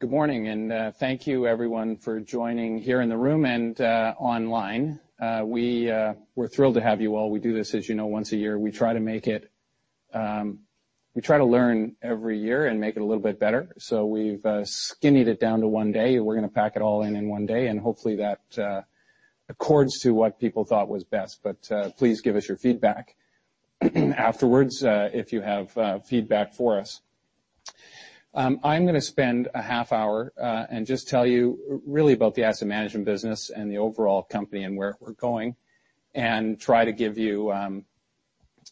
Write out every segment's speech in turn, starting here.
Good morning. Thank you everyone for joining here in the room and online. We're thrilled to have you all. We do this, as you know, once a year. We try to learn every year and make it a little bit better. We've skinnied it down to one day. We're going to pack it all in in one day, and hopefully that accords to what people thought was best. Please give us your feedback afterwards if you have feedback for us. I'm going to spend a half hour and just tell you really about the asset management business and the overall company and where we're going, and try to give you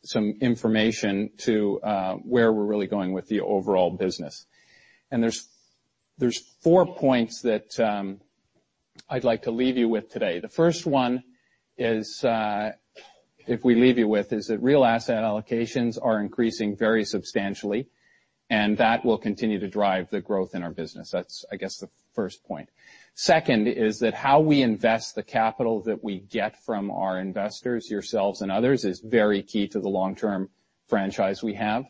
some information to where we're really going with the overall business. There's four points that I'd like to leave you with today. The first one is, if we leave you with, is that real asset allocations are increasing very substantially, and that will continue to drive the growth in our business. That's, I guess, the first point. Second is that how we invest the capital that we get from our investors, yourselves and others, is very key to the long-term franchise we have.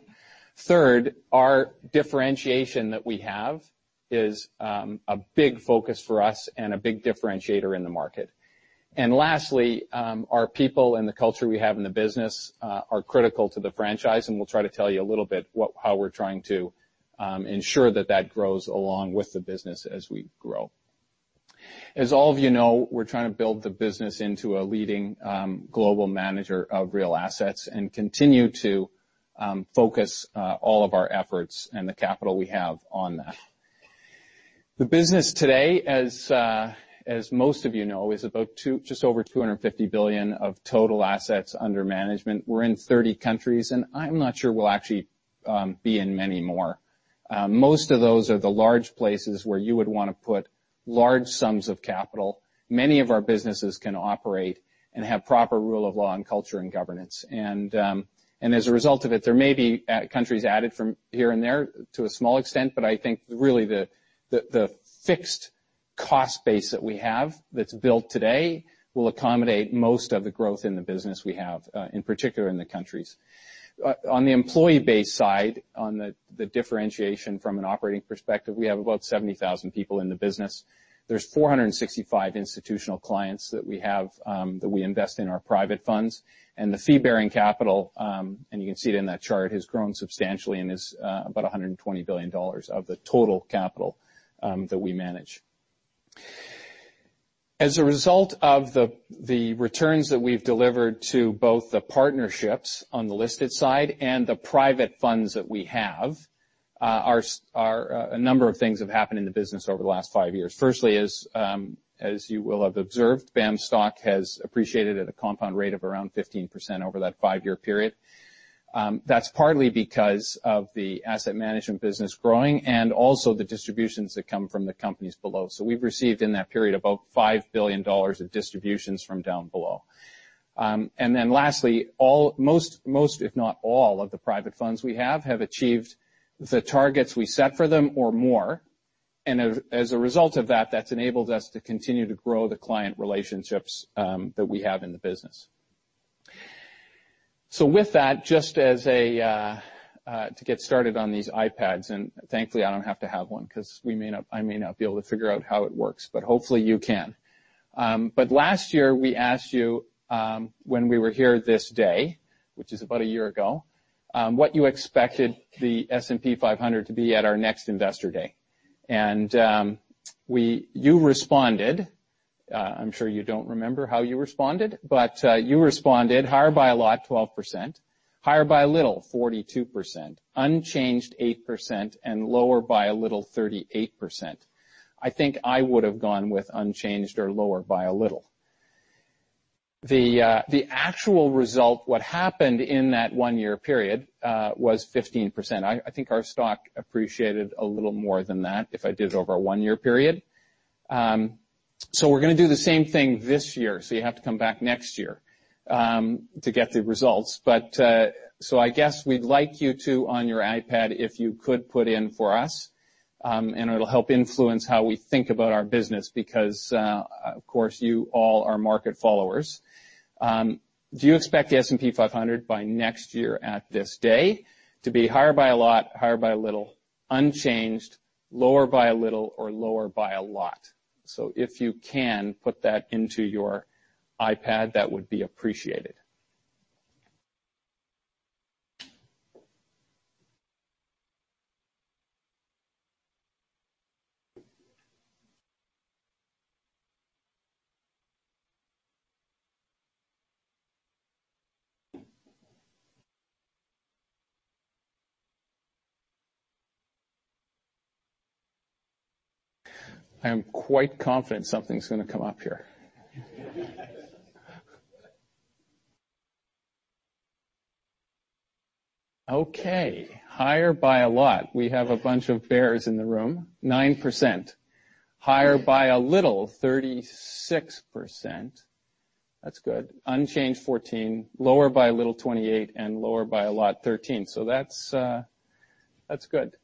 Third, our differentiation that we have is a big focus for us and a big differentiator in the market. Lastly, our people and the culture we have in the business are critical to the franchise, and we'll try to tell you a little bit how we're trying to ensure that that grows along with the business as we grow. As all of you know, we're trying to build the business into a leading global manager of real assets and continue to focus all of our efforts and the capital we have on that. The business today, as most of you know, is about just over $250 billion of total assets under management. We're in 30 countries, and I'm not sure we'll actually be in many more. Most of those are the large places where you would want to put large sums of capital. Many of our businesses can operate and have proper rule of law and culture and governance. As a result of it, there may be countries added from here and there to a small extent, but I think really the fixed cost base that we have that's built today will accommodate most of the growth in the business we have, in particular in the countries. On the employee base side, on the differentiation from an operating perspective, we have about 70,000 people in the business. There's 465 institutional clients that we have, that we invest in our private funds. The fee-bearing capital, and you can see it in that chart, has grown substantially and is about $120 billion of the total capital that we manage. As a result of the returns that we've delivered to both the partnerships on the listed side and the private funds that we have, a number of things have happened in the business over the last five years. Firstly is, as you will have observed, BAM stock has appreciated at a compound rate of around 15% over that five-year period. That's partly because of the asset management business growing and also the distributions that come from the companies below. We've received in that period about $5 billion of distributions from down below. Lastly, most, if not all of the private funds we have achieved the targets we set for them or more. As a result of that's enabled us to continue to grow the client relationships that we have in the business. With that, just to get started on these iPads, and thankfully I don't have to have one because I may not be able to figure out how it works, but hopefully you can. Last year, we asked you, when we were here this day, which is about a year ago, what you expected the S&P 500 to be at our next Investor Day. You responded. I'm sure you don't remember how you responded, you responded, higher by a lot, 12%, higher by a little, 42%, unchanged, 8%, and lower by a little, 38%. I think I would have gone with unchanged or lower by a little. The actual result, what happened in that one-year period, was 15%. I think our stock appreciated a little more than that if I did it over a one-year period. We're going to do the same thing this year. You have to come back next year to get the results. I guess we'd like you to, on your iPad, if you could put in for us, and it'll help influence how we think about our business because, of course, you all are market followers. Do you expect the S&P 500 by next year at this day to be higher by a lot, higher by a little, unchanged, lower by a little or lower by a lot? If you can put that into your iPad, that would be appreciated. I am quite confident something's going to come up here. Okay, higher by a lot. We have a bunch of bears in the room, 9%. Higher by a little, 36%. That's good. Unchanged, 14%. Lower by a little, 28%, and lower by a lot, 13%. That's good.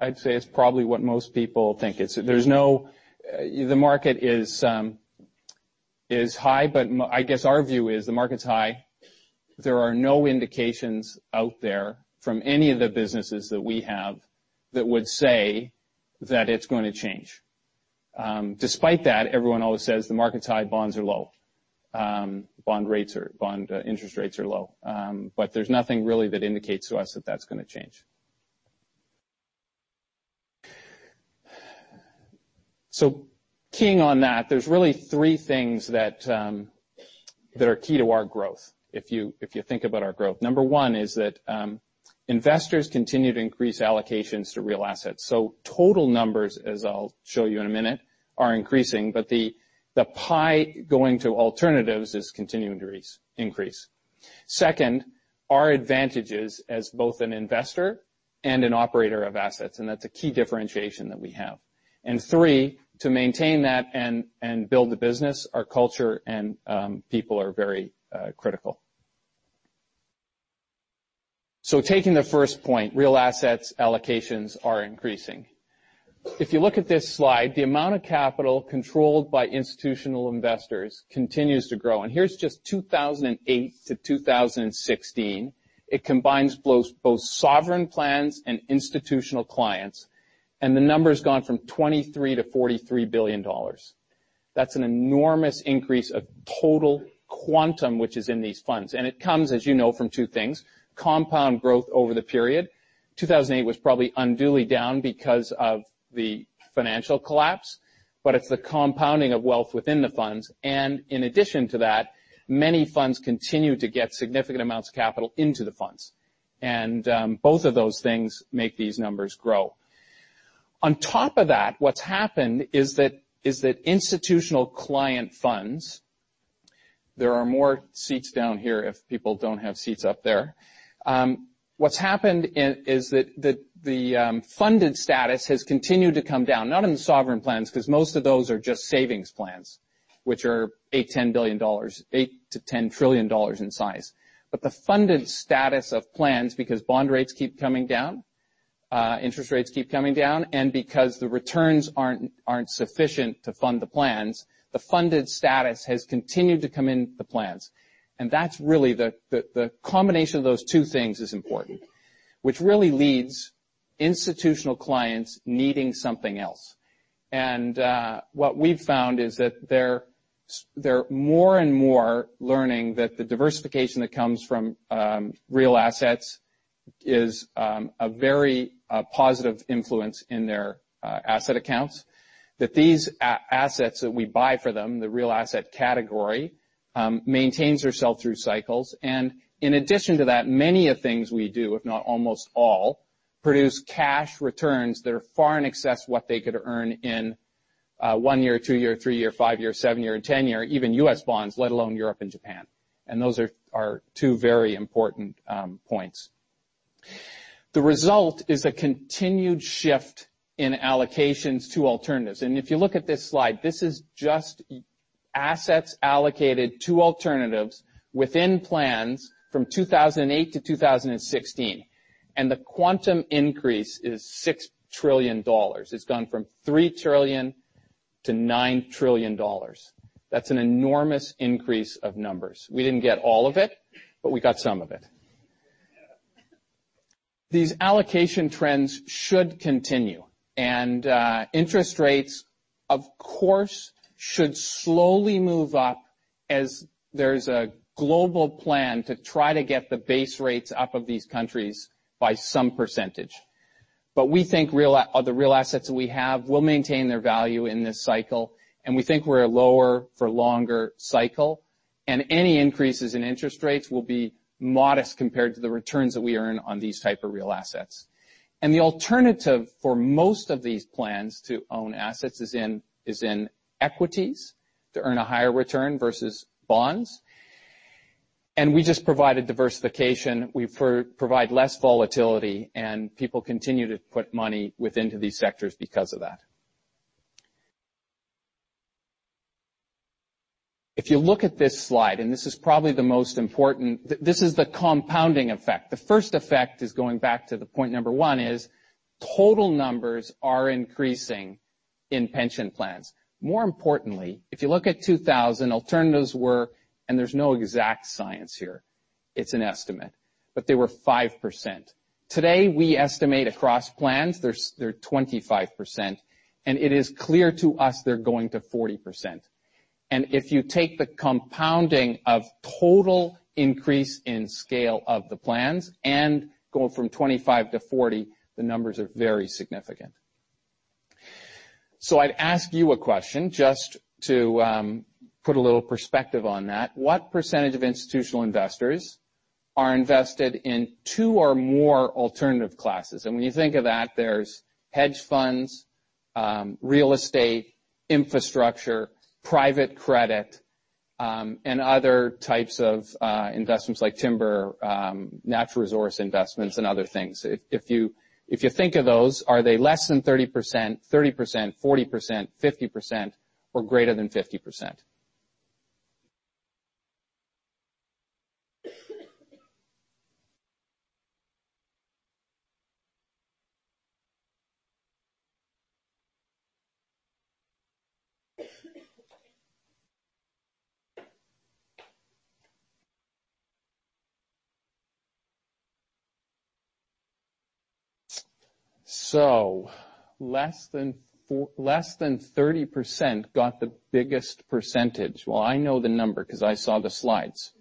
I'd say it's probably what most people think. The market is high, but I guess our view is the market's high. There are no indications out there from any of the businesses that we have that would say that it's going to change. Despite that, everyone always says the market's high, bonds are low. Bond interest rates are low. There's nothing really that indicates to us that that's going to change. Keying on that, there's really three things that are key to our growth, if you think about our growth. Number one is that investors continue to increase allocations to real assets. Total numbers, as I'll show you in a minute, are increasing, but the pie going to alternatives is continuing to increase. Second, our advantages as both an investor and an operator of assets, and that's a key differentiation that we have. Three, to maintain that and build the business, our culture and people are very critical. Taking the first point, real assets allocations are increasing. If you look at this slide, the amount of capital controlled by institutional investors continues to grow. Here's just 2008 to 2016. It combines both sovereign plans and institutional clients, the number's gone from $23 billion-$43 billion. That's an enormous increase of total quantum which is in these funds. It comes, as you know, from two things. Compound growth over the period. 2008 was probably unduly down because of the financial collapse, but it's the compounding of wealth within the funds. In addition to that, many funds continue to get significant amounts of capital into the funds. Both of those things make these numbers grow. On top of that, what's happened is that There are more seats down here if people don't have seats up there. What's happened is that the funded status has continued to come down, not in the sovereign plans, because most of those are just savings plans, which are $8 trillion to $10 trillion in size. The funded status of plans, because bond rates keep coming down, interest rates keep coming down, and because the returns aren't sufficient to fund the plans, the funded status has continued to come in the plans. That's really the combination of those two things is important, which really leads institutional clients needing something else. What we've found is that they're more and more learning that the diversification that comes from real assets is a very positive influence in their asset accounts. These assets that we buy for them, the real asset category, maintains their sell-through cycles. In addition to that, many things we do, if not almost all, produce cash returns that are far in excess what they could earn in one year, two year, three year, five year, seven year, 10 year, even U.S. bonds, let alone Europe and Japan. Those are two very important points. The result is a continued shift in allocations to alternatives. If you look at this slide, this is just assets allocated to alternatives within plans from 2008 to 2016. The quantum increase is $6 trillion. It's gone from $3 trillion to $9 trillion. That's an enormous increase of numbers. We didn't get all of it, but we got some of it. These allocation trends should continue, interest rates, of course, should slowly move up as there's a global plan to try to get the base rates up of these countries by some percentage. We think the real assets that we have will maintain their value in this cycle, we think we're a lower for longer cycle, any increases in interest rates will be modest compared to the returns that we earn on these type of real assets. The alternative for most of these plans to own assets is in equities to earn a higher return versus bonds. We just provided diversification. We provide less volatility, people continue to put money within to these sectors because of that. If you look at this slide, this is probably the most important. This is the compounding effect. The first effect is going back to the point number 1 is total numbers are increasing in pension plans. More importantly, if you look at 2000, alternatives were, there's no exact science here, it's an estimate, but they were 5%. Today, we estimate across plans, they're 25%, it is clear to us they're going to 40%. If you take the compounding of total increase in scale of the plans and going from 25 to 40, the numbers are very significant. I'd ask you a question just to put a little perspective on that. What percentage of institutional investors are invested in two or more alternative classes? And when you think of that, there's hedge funds, real estate, infrastructure, private credit, and other types of investments like timber, natural resource investments, and other things. If you think of those, are they less than 30%, 30%, 40%, 50%, or greater than 50%? Less than 30% got the biggest percentage. I know the number because I saw the slides.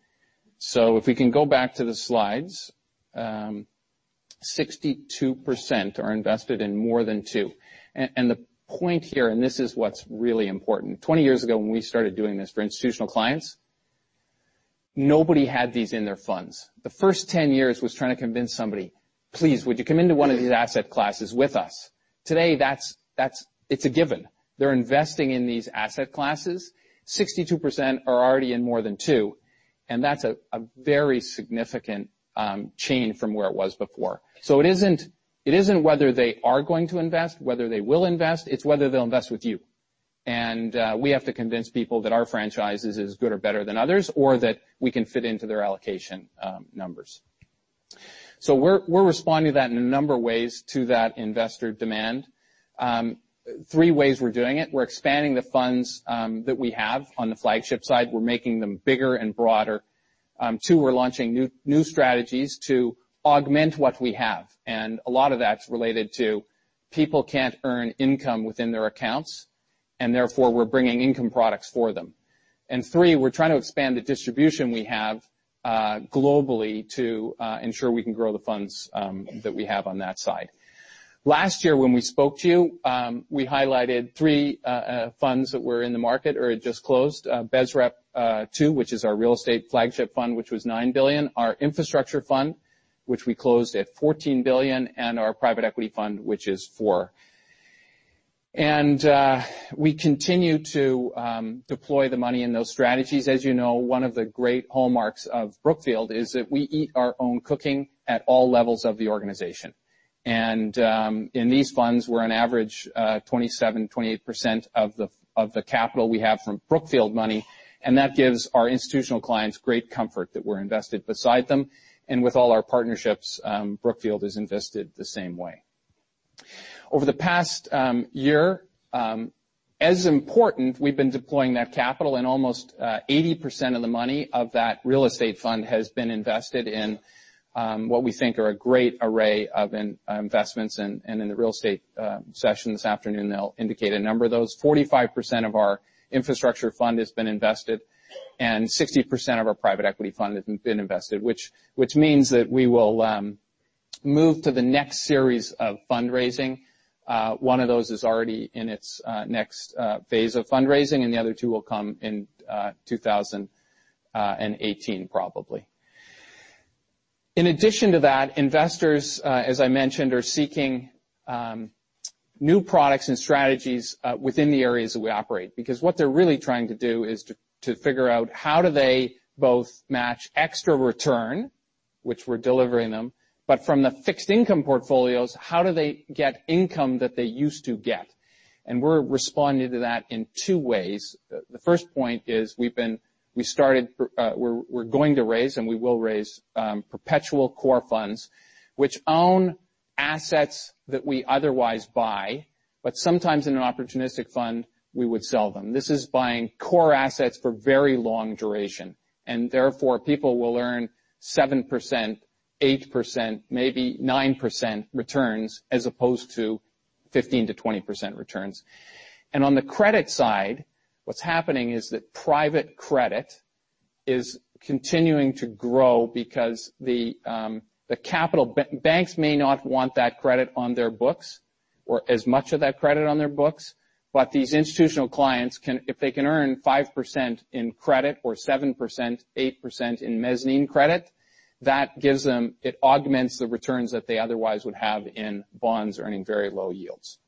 If we can go back to the slides, 62% are invested in more than two. And the point here, and this is what's really important, 20 years ago, when we started doing this for institutional clients, nobody had these in their funds. The first 10 years was trying to convince somebody, "Please, would you come into one of these asset classes with us?" Today, it's a given. They're investing in these asset classes. 62% are already in more than two, and that's a very significant change from where it was before. It isn't whether they are going to invest, whether they will invest, it's whether they'll invest with you. We have to convince people that our franchise is as good or better than others, or that we can fit into their allocation numbers. We're responding to that in a number of ways to that investor demand. Three ways we're doing it. We're expanding the funds that we have on the flagship side. We're making them bigger and broader. 2, we're launching new strategies to augment what we have. A lot of that's related to people can't earn income within their accounts, and therefore, we're bringing income products for them. 3, we're trying to expand the distribution we have globally to ensure we can grow the funds that we have on that side. Last year, when we spoke to you, we highlighted three funds that were in the market or had just closed. BSREP II, which is our real estate flagship fund, which was $9 billion. Our infrastructure fund, which we closed at $14 billion, and our private equity fund, which is 4. We continue to deploy the money in those strategies. As you know, one of the great hallmarks of Brookfield is that we eat our own cooking at all levels of the organization. In these funds, we're on average, 27%, 28% of the capital we have from Brookfield money, and that gives our institutional clients great comfort that we're invested beside them. With all our partnerships, Brookfield is invested the same way. Over the past year, as important, we've been deploying that capital and almost 80% of the money of that real estate fund has been invested in what we think are a great array of investments. In the real estate session this afternoon, they'll indicate a number of those. 45% of our infrastructure fund has been invested, and 60% of our private equity fund has been invested, which means that we will move to the next series of fundraising. One of those is already in its next phase of fundraising, and the other two will come in 2018, probably. In addition to that, investors, as I mentioned, are seeking new products and strategies within the areas that we operate because what they're really trying to do is to figure out how do they both match extra return, which we're delivering them, but from the fixed income portfolios, how do they get income that they used to get? We're responding to that in two ways. The first point is we're going to raise, and we will raise, perpetual core funds, which own assets that we otherwise buy. Sometimes in an opportunistic fund, we would sell them. This is buying core assets for very long duration, and therefore, people will earn 7%, 8%, maybe 9% returns, as opposed to 15%-20% returns. On the credit side, what's happening is that private credit is continuing to grow because Banks may not want that credit on their books or as much of that credit on their books, but these institutional clients, if they can earn 5% in credit or 7%, 8% in mezzanine credit, it augments the returns that they otherwise would have in bonds earning very low yields.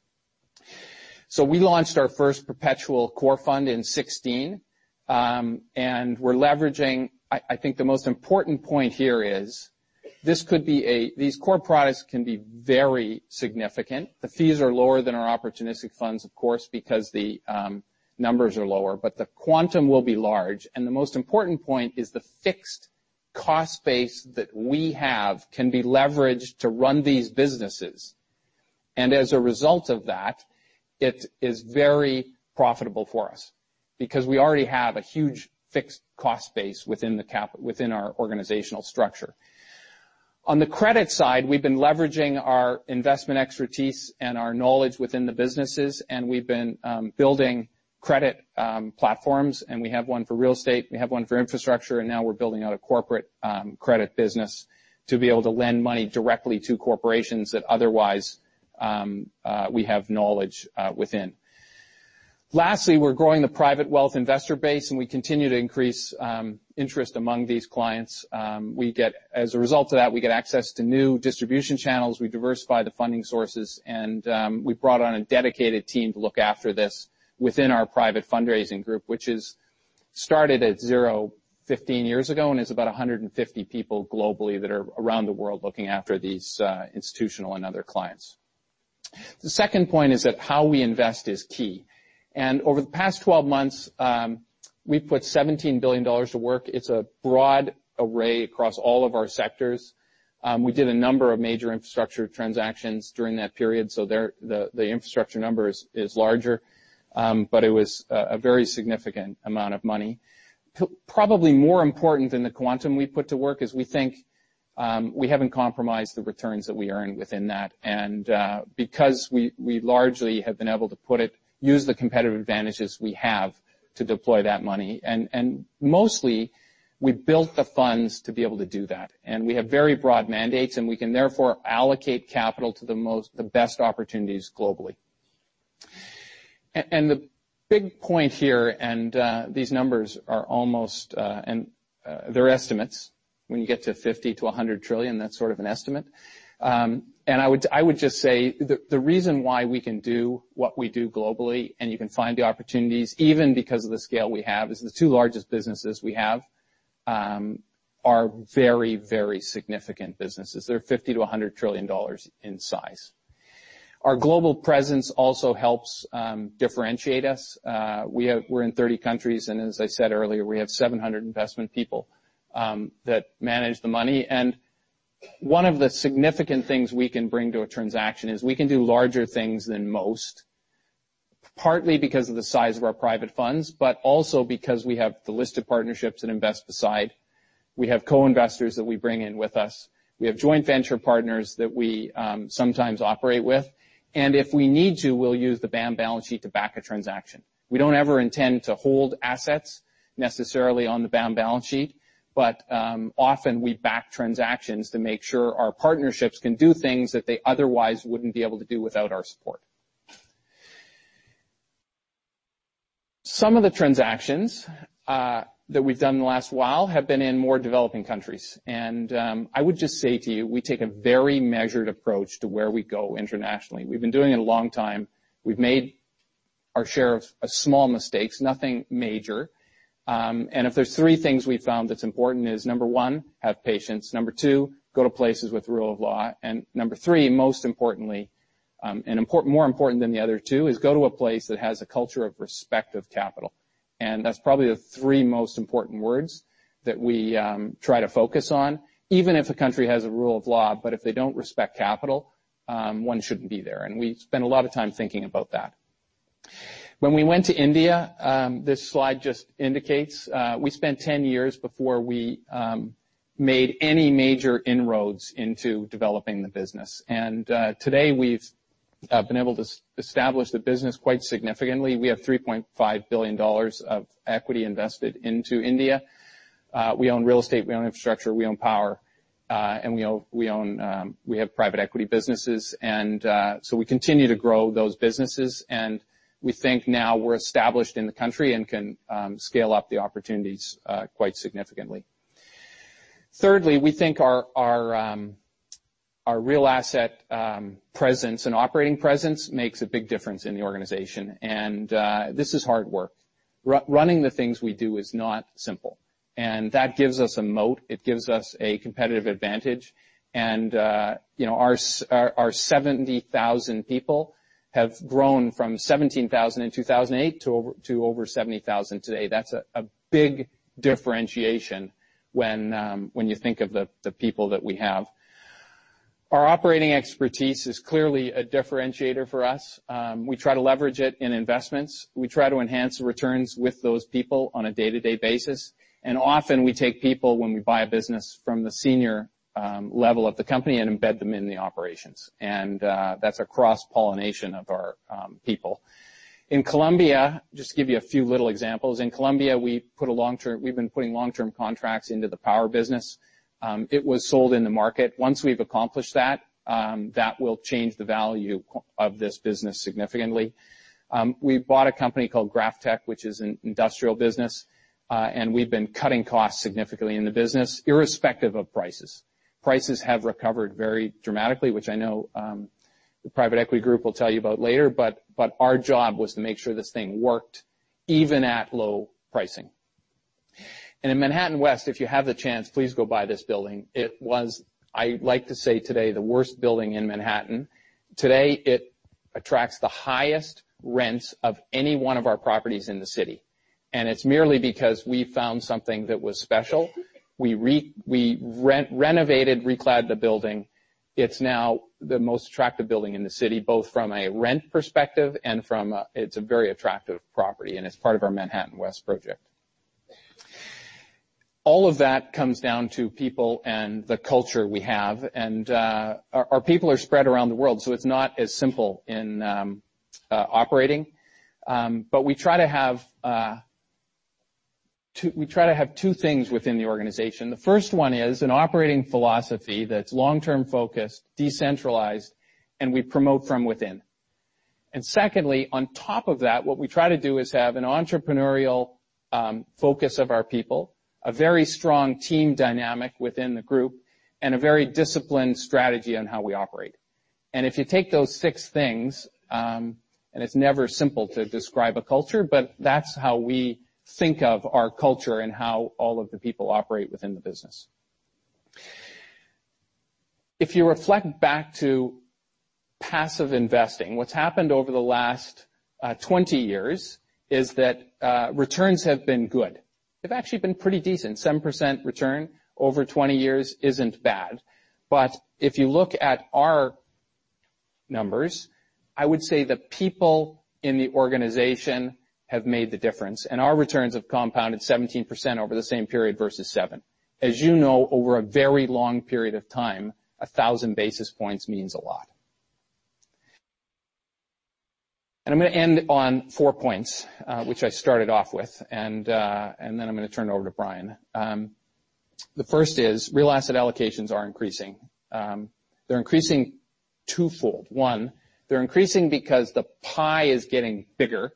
We launched our first perpetual core fund in 2016. We're leveraging. I think the most important point here is these core products can be very significant. The fees are lower than our opportunistic funds, of course, because the numbers are lower. The quantum will be large, and the most important point is the fixed cost base that we have can be leveraged to run these businesses. As a result of that, it is very profitable for us because we already have a huge fixed cost base within our organizational structure. On the credit side, we've been leveraging our investment expertise and our knowledge within the businesses, we've been building credit platforms, we have one for real estate, we have one for infrastructure, now we're building out a corporate credit business to be able to lend money directly to corporations that otherwise, we have knowledge within. Lastly, we're growing the private wealth investor base, we continue to increase interest among these clients. As a result of that, we get access to new distribution channels. We diversify the funding sources, we've brought on a dedicated team to look after this within our private fundraising group, which is started at 0 15 years ago and is about 150 people globally that are around the world looking after these institutional and other clients. The second point is that how we invest is key. Over the past 12 months, we've put $17 billion to work. It's a broad array across all of our sectors. We did a number of major infrastructure transactions during that period, the infrastructure number is larger. It was a very significant amount of money. Probably more important than the quantum we put to work is we think, we haven't compromised the returns that we earn within that. Because we largely have been able to use the competitive advantages we have to deploy that money. Mostly, we've built the funds to be able to do that. We have very broad mandates, and we can therefore allocate capital to the best opportunities globally. The big point here, and these numbers, they're estimates. When you get to $50 trillion-$100 trillion, that's sort of an estimate. I would just say, the reason why we can do what we do globally, and you can find the opportunities, even because of the scale we have, is the two largest businesses we have, are very, very significant businesses. They're $50 trillion-$100 trillion in size. Our global presence also helps differentiate us. We're in 30 countries, and as I said earlier, we have 700 investment people that manage the money. One of the significant things we can bring to a transaction is we can do larger things than most, partly because of the size of our private funds, but also because we have the list of partnerships that invest beside. We have co-investors that we bring in with us. We have joint venture partners that we sometimes operate with. If we need to, we'll use the BAM balance sheet to back a transaction. We don't ever intend to hold assets necessarily on the BAM balance sheet, but often we back transactions to make sure our partnerships can do things that they otherwise wouldn't be able to do without our support. Some of the transactions that we've done in the last while have been in more developing countries. I would just say to you, we take a very measured approach to where we go internationally. We've been doing it a long time. We've made our share of small mistakes. Nothing major. If there's 3 things we've found that's important is number 1, have patience. Number 2, go to places with rule of law. Number 3, most importantly, and more important than the other 2, is go to a place that has a culture of respect of capital. That's probably the 3 most important words that we try to focus on. Even if a country has a rule of law, but if they don't respect capital, one shouldn't be there. We spend a lot of time thinking about that. When we went to India, this slide just indicates, we spent 10 years before we made any major inroads into developing the business. Today, we've been able to establish the business quite significantly. We have $3.5 billion of equity invested into India. We own real estate, we own infrastructure, we own power, and we have private equity businesses. We continue to grow those businesses, and we think now we're established in the country and can scale up the opportunities quite significantly. Thirdly, we think our real asset presence and operating presence makes a big difference in the organization. This is hard work. Running the things we do is not simple. That gives us a moat. It gives us a competitive advantage. Our 70,000 people have grown from 17,000 in 2008 to over 70,000 today. That's a big differentiation when you think of the people that we have. Our operating expertise is clearly a differentiator for us. We try to leverage it in investments. We try to enhance the returns with those people on a day-to-day basis. Often, we take people when we buy a business from the senior level of the company and embed them in the operations. That's a cross-pollination of our people. In Colombia, just to give you a few little examples. In Colombia, we've been putting long-term contracts into the power business. It was sold in the market. Once we've accomplished that will change the value of this business significantly. We bought a company called GrafTech, which is an industrial business, and we've been cutting costs significantly in the business, irrespective of prices. Prices have recovered very dramatically, which I know the private equity group will tell you about later, but our job was to make sure this thing worked even at low pricing. In Manhattan West, if you have the chance, please go buy this building. It was, I like to say today, the worst building in Manhattan. Today, it attracts the highest rents of any one of our properties in the city. It's merely because we found something that was special. We renovated, reclad the building. It's now the most attractive building in the city, both from a rent perspective and it's a very attractive property, and it's part of our Manhattan West project. All of that comes down to people and the culture we have. Our people are spread around the world, so it's not as simple in operating. We try to have two things within the organization. The first one is an operating philosophy that's long-term focused, decentralized, and we promote from within. Secondly, on top of that, what we try to do is have an entrepreneurial focus of our people, a very strong team dynamic within the group, and a very disciplined strategy on how we operate. If you take those six things, it's never simple to describe a culture, that's how we think of our culture and how all of the people operate within the business. If you reflect back to passive investing, what's happened over the last 20 years is that returns have been good. They've actually been pretty decent. 7% return over 20 years isn't bad. If you look at our numbers, I would say the people in the organization have made the difference, and our returns have compounded 17% over the same period versus 7. As you know, over a very long period of time, 1,000 basis points means a lot. I'm going to end on four points, which I started off with, I'm going to turn it over to Brian. The first is real asset allocations are increasing. They're increasing twofold. One, they're increasing because the pie is getting bigger.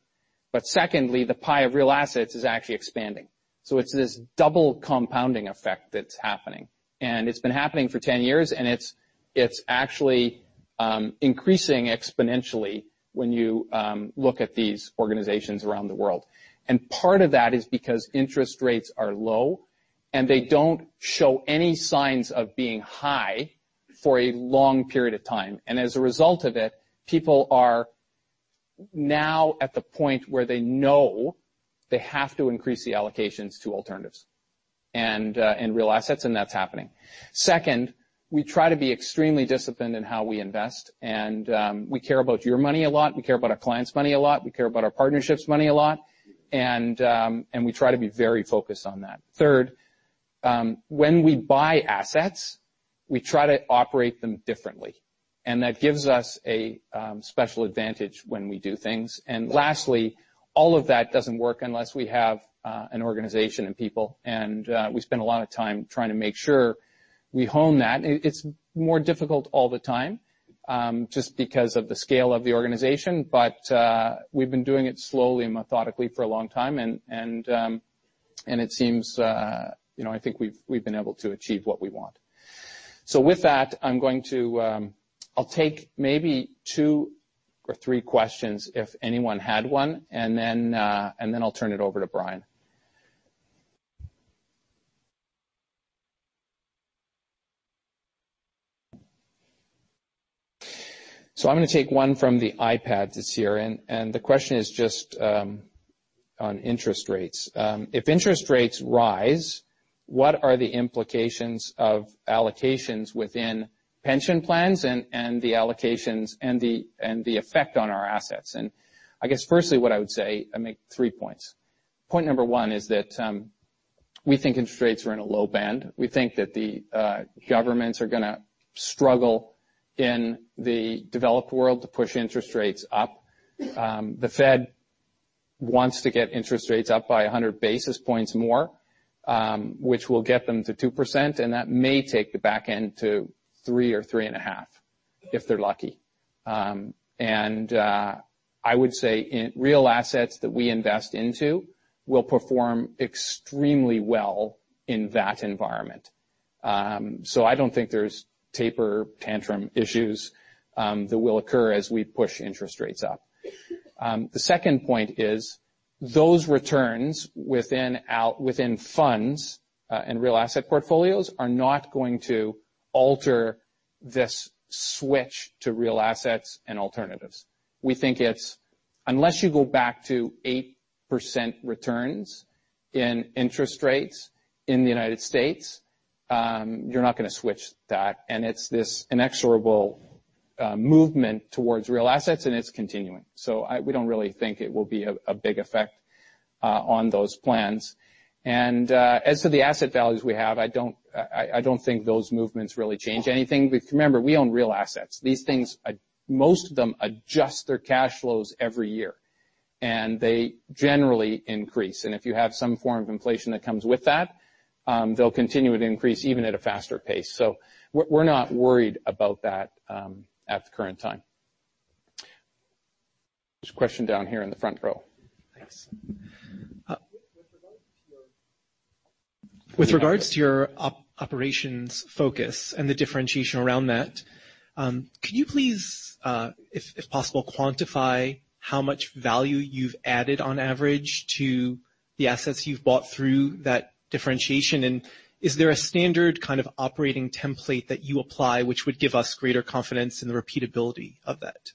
Secondly, the pie of real assets is actually expanding. It's this double compounding effect that's happening. It's been happening for 10 years, it's actually increasing exponentially when you look at these organizations around the world. Part of that is because interest rates are low, they don't show any signs of being high for a long period of time. As a result of it, people are now at the point where they know they have to increase the allocations to alternatives and real assets, that's happening. Second, we try to be extremely disciplined in how we invest, we care about your money a lot, we care about our clients' money a lot, we care about our partnerships' money a lot, we try to be very focused on that. Third, when we buy assets, we try to operate them differently, and that gives us a special advantage when we do things. Lastly, all of that doesn't work unless we have an organization and people, and we spend a lot of time trying to make sure we hone that. It's more difficult all the time, just because of the scale of the organization. We've been doing it slowly and methodically for a long time, and it seems, I think we've been able to achieve what we want. With that, I'll take maybe two or three questions if anyone had one, and then I'll turn it over to Brian. I'm going to take one from the iPad that's here, and the question is just on interest rates. If interest rates rise, what are the implications of allocations within pension plans and the allocations and the effect on our assets? I guess firstly what I would say, I make three points. Point number one is that we think interest rates are in a low band. We think that the governments are going to struggle in the developed world to push interest rates up. The Fed wants to get interest rates up by 100 basis points more, which will get them to 2%, and that may take the back end to three or three and a half, if they're lucky. I would say real assets that we invest into will perform extremely well in that environment. I don't think there's taper tantrum issues that will occur as we push interest rates up. The second point is those returns within funds and real asset portfolios are not going to alter this switch to real assets and alternatives. We think it's unless you go back to 8% returns in interest rates in the U.S., you're not going to switch that. It's this inexorable movement towards real assets, and it's continuing. We don't really think it will be a big effect on those plans. As to the asset values we have, I don't think those movements really change anything. Remember, we own real assets. These things, most of them adjust their cash flows every year. They generally increase. If you have some form of inflation that comes with that, they'll continue to increase even at a faster pace. We're not worried about that at the current time. There's a question down here in the front row. Thanks. With regards to your operations focus and the differentiation around that, can you please, if possible, quantify how much value you've added on average to the assets you've bought through that differentiation? Is there a standard operating template that you apply which would give us greater confidence in the repeatability of that?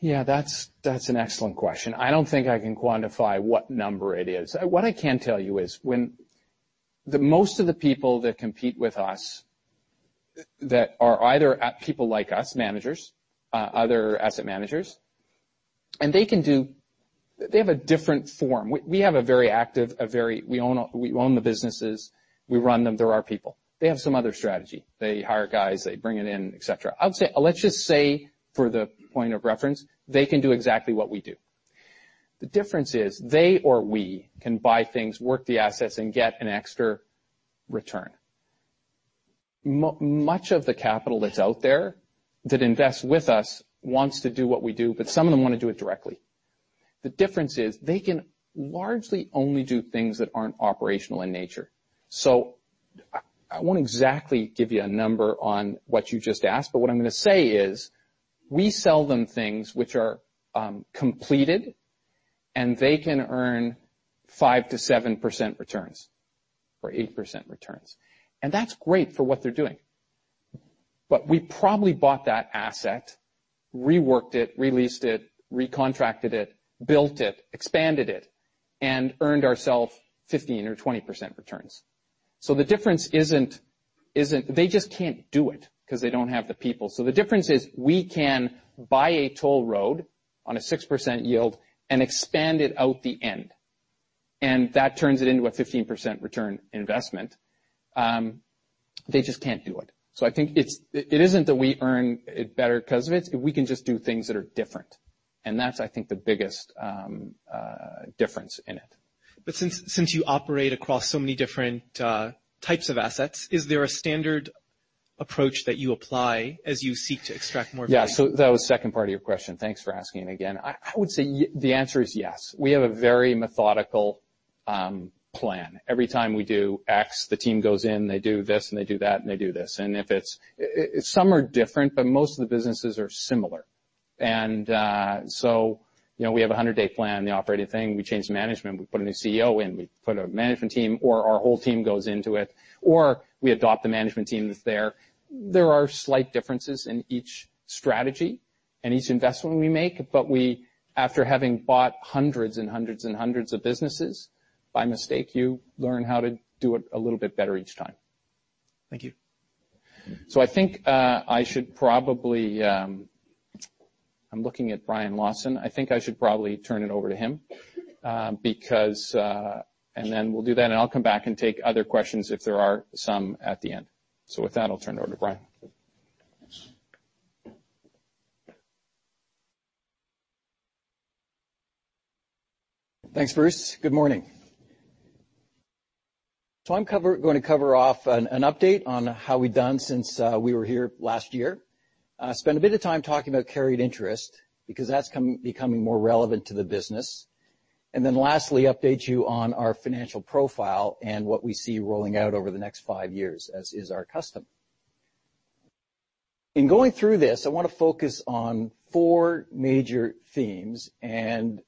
Yeah, that's an excellent question. I don't think I can quantify what number it is. What I can tell you is when the most of the people that compete with us that are either people like us, managers, other asset managers, they have a different form. We have a very active, we own the businesses, we run them through our people. They have some other strategy. They hire guys, they bring it in, et cetera. Let's just say for the point of reference, they can do exactly what we do. The difference is they or we can buy things, work the assets, and get an extra return. Much of the capital that's out there that invests with us wants to do what we do, some of them want to do it directly. The difference is they can largely only do things that aren't operational in nature. I won't exactly give you a number on what you just asked, what I'm going to say is we sell them things which are completed They can earn 5%-7% returns or 8% returns, and that's great for what they're doing. We probably bought that asset, reworked it, released it, recontracted it, built it, expanded it, and earned ourselves 15% or 20% returns. The difference isn't they just can't do it because they don't have the people. The difference is we can buy a toll road on a 6% yield and expand it out the end, and that turns it into a 15% return investment. They just can't do it. I think it isn't that we earn it better because of it. We can just do things that are different, and that's, I think, the biggest difference in it. Since you operate across so many different types of assets, is there a standard approach that you apply as you seek to extract more value? Yeah. That was second part of your question. Thanks for asking again. I would say the answer is yes. We have a very methodical plan. Every time we do X, the team goes in, they do this, and they do that, and they do this. Some are different, most of the businesses are similar. We have a 100-day plan, the operating thing. We change the management, we put a new CEO in, we put a management team, or our whole team goes into it, or we adopt the management team that's there. There are slight differences in each strategy and each investment we make, after having bought hundreds and hundreds and hundreds of businesses, by mistake, you learn how to do it a little bit better each time. Thank you. I think I'm looking at Brian Lawson. I think I should probably turn it over to him, and then we'll do that, and I'll come back and take other questions if there are some at the end. With that, I'll turn it over to Brian. Thanks, Bruce. Good morning. I'm going to cover off an update on how we've done since we were here last year. Spend a bit of time talking about carried interest because that's becoming more relevant to the business, and then lastly, update you on our financial profile and what we see rolling out over the next five years, as is our custom. In going through this, I want to focus on four major themes, and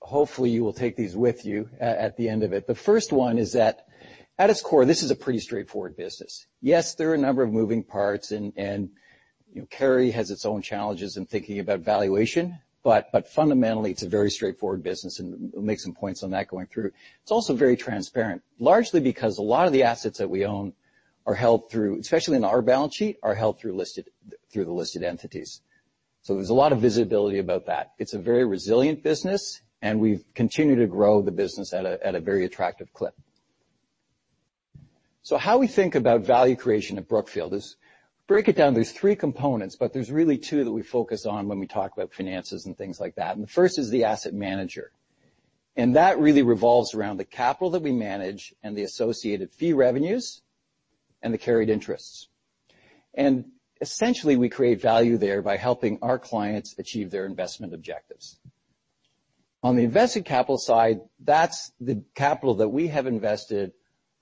hopefully, you will take these with you at the end of it. The first one is that at its core, this is a pretty straightforward business. Yes, there are a number of moving parts, and carry has its own challenges in thinking about valuation. Fundamentally, it's a very straightforward business, and we'll make some points on that going through. It's also very transparent, largely because a lot of the assets that we own, especially in our balance sheet, are held through the listed entities. There's a lot of visibility about that. It's a very resilient business, and we've continued to grow the business at a very attractive clip. How we think about value creation at Brookfield is break it down. There's three components, but there's really two that we focus on when we talk about finances and things like that. The first is the asset manager, and that really revolves around the capital that we manage and the associated fee revenues and the carried interests. Essentially, we create value there by helping our clients achieve their investment objectives. On the invested capital side, that's the capital that we have invested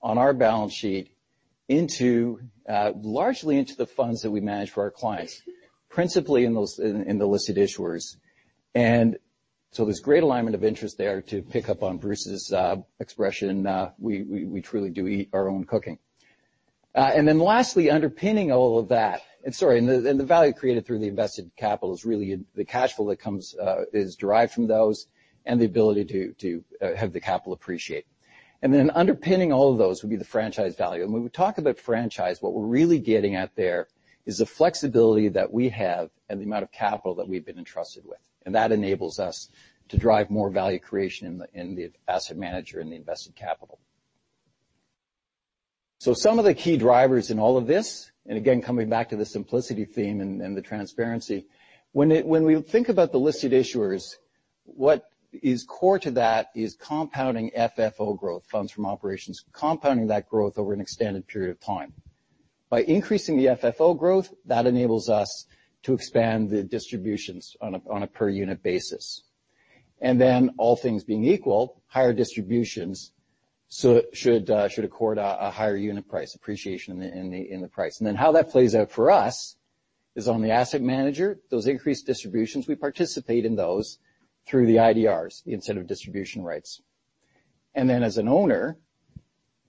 on our balance sheet largely into the funds that we manage for our clients, principally in the listed issuers. There's great alignment of interest there. To pick up on Bruce's expression, we truly do eat our own cooking. Lastly, underpinning all of that, the value created through the invested capital is really the cash flow that is derived from those and the ability to have the capital appreciate. Underpinning all of those would be the franchise value. When we talk about franchise, what we're really getting at there is the flexibility that we have and the amount of capital that we've been entrusted with, and that enables us to drive more value creation in the asset manager and the invested capital. Some of the key drivers in all of this, again, coming back to the simplicity theme and the transparency, when we think about the listed issuers, what is core to that is compounding FFO growth, funds from operations, compounding that growth over an extended period of time. By increasing the FFO growth, that enables us to expand the distributions on a per unit basis. All things being equal, higher distributions should accord a higher unit price appreciation in the price. How that plays out for us is on the asset manager. Those increased distributions, we participate in those through the IDRs, Incentive Distribution Rights. As an owner,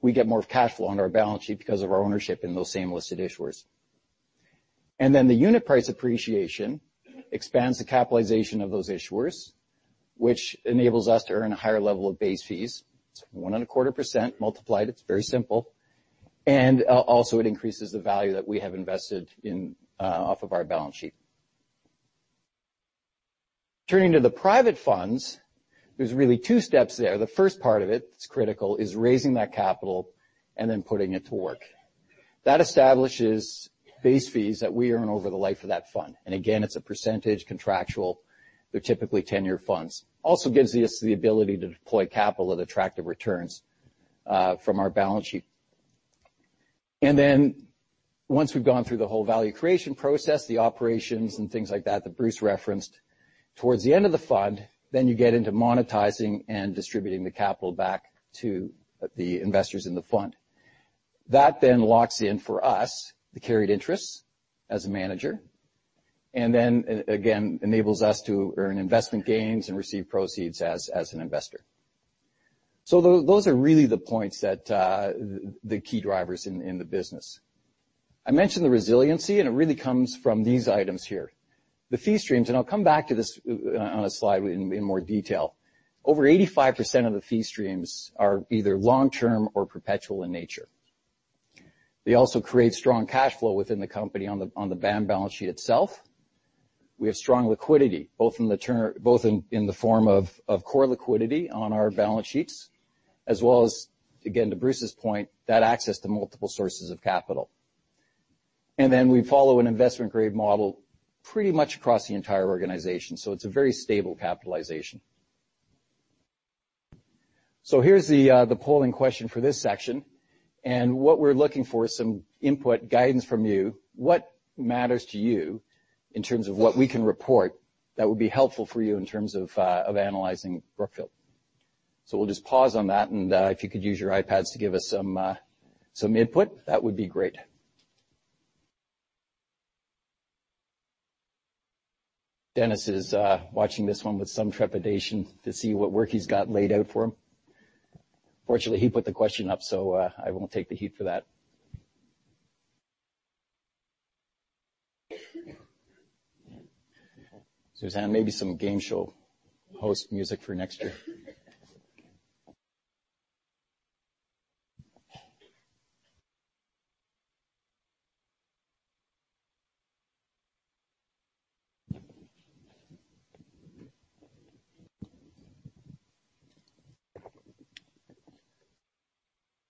we get more cash flow on our balance sheet because of our ownership in those same listed issuers. The unit price appreciation expands the capitalization of those issuers, which enables us to earn a higher level of base fees. It's 1.25% multiplied. It's very simple. It increases the value that we have invested off of our balance sheet. Turning to the private funds, there's really 2 steps there. The first part of it's critical, is raising that capital and then putting it to work. That establishes base fees that we earn over the life of that fund. Again, it's a percentage contractual. They're typically 10-year funds. Gives us the ability to deploy capital at attractive returns from our balance sheet. Once we've gone through the whole value creation process, the operations and things like that Bruce referenced, towards the end of the fund, you get into monetizing and distributing the capital back to the investors in the fund. That then locks in for us the carried interests as a manager, again, enables us to earn investment gains and receive proceeds as an investor. Those are really the points that the key drivers in the business. I mentioned the resiliency, it really comes from these items here. The fee streams, I'll come back to this on a slide in more detail. Over 85% of the fee streams are either long-term or perpetual in nature. They also create strong cash flow within the company on the BAM balance sheet itself. We have strong liquidity, both in the form of core liquidity on our balance sheets, as well as, again, to Bruce's point, that access to multiple sources of capital. Then we follow an investment-grade model pretty much across the entire organization. It's a very stable capitalization. Here's the polling question for this section. What we're looking for is some input, guidance from you. What matters to you in terms of what we can report that would be helpful for you in terms of analyzing Brookfield? We'll just pause on that, and if you could use your iPads to give us some input, that would be great. Denis is watching this one with some trepidation to see what work he's got laid out for him. Fortunately, he put the question up, so I won't take the heat for that. Suzanne, maybe some game show host music for next year.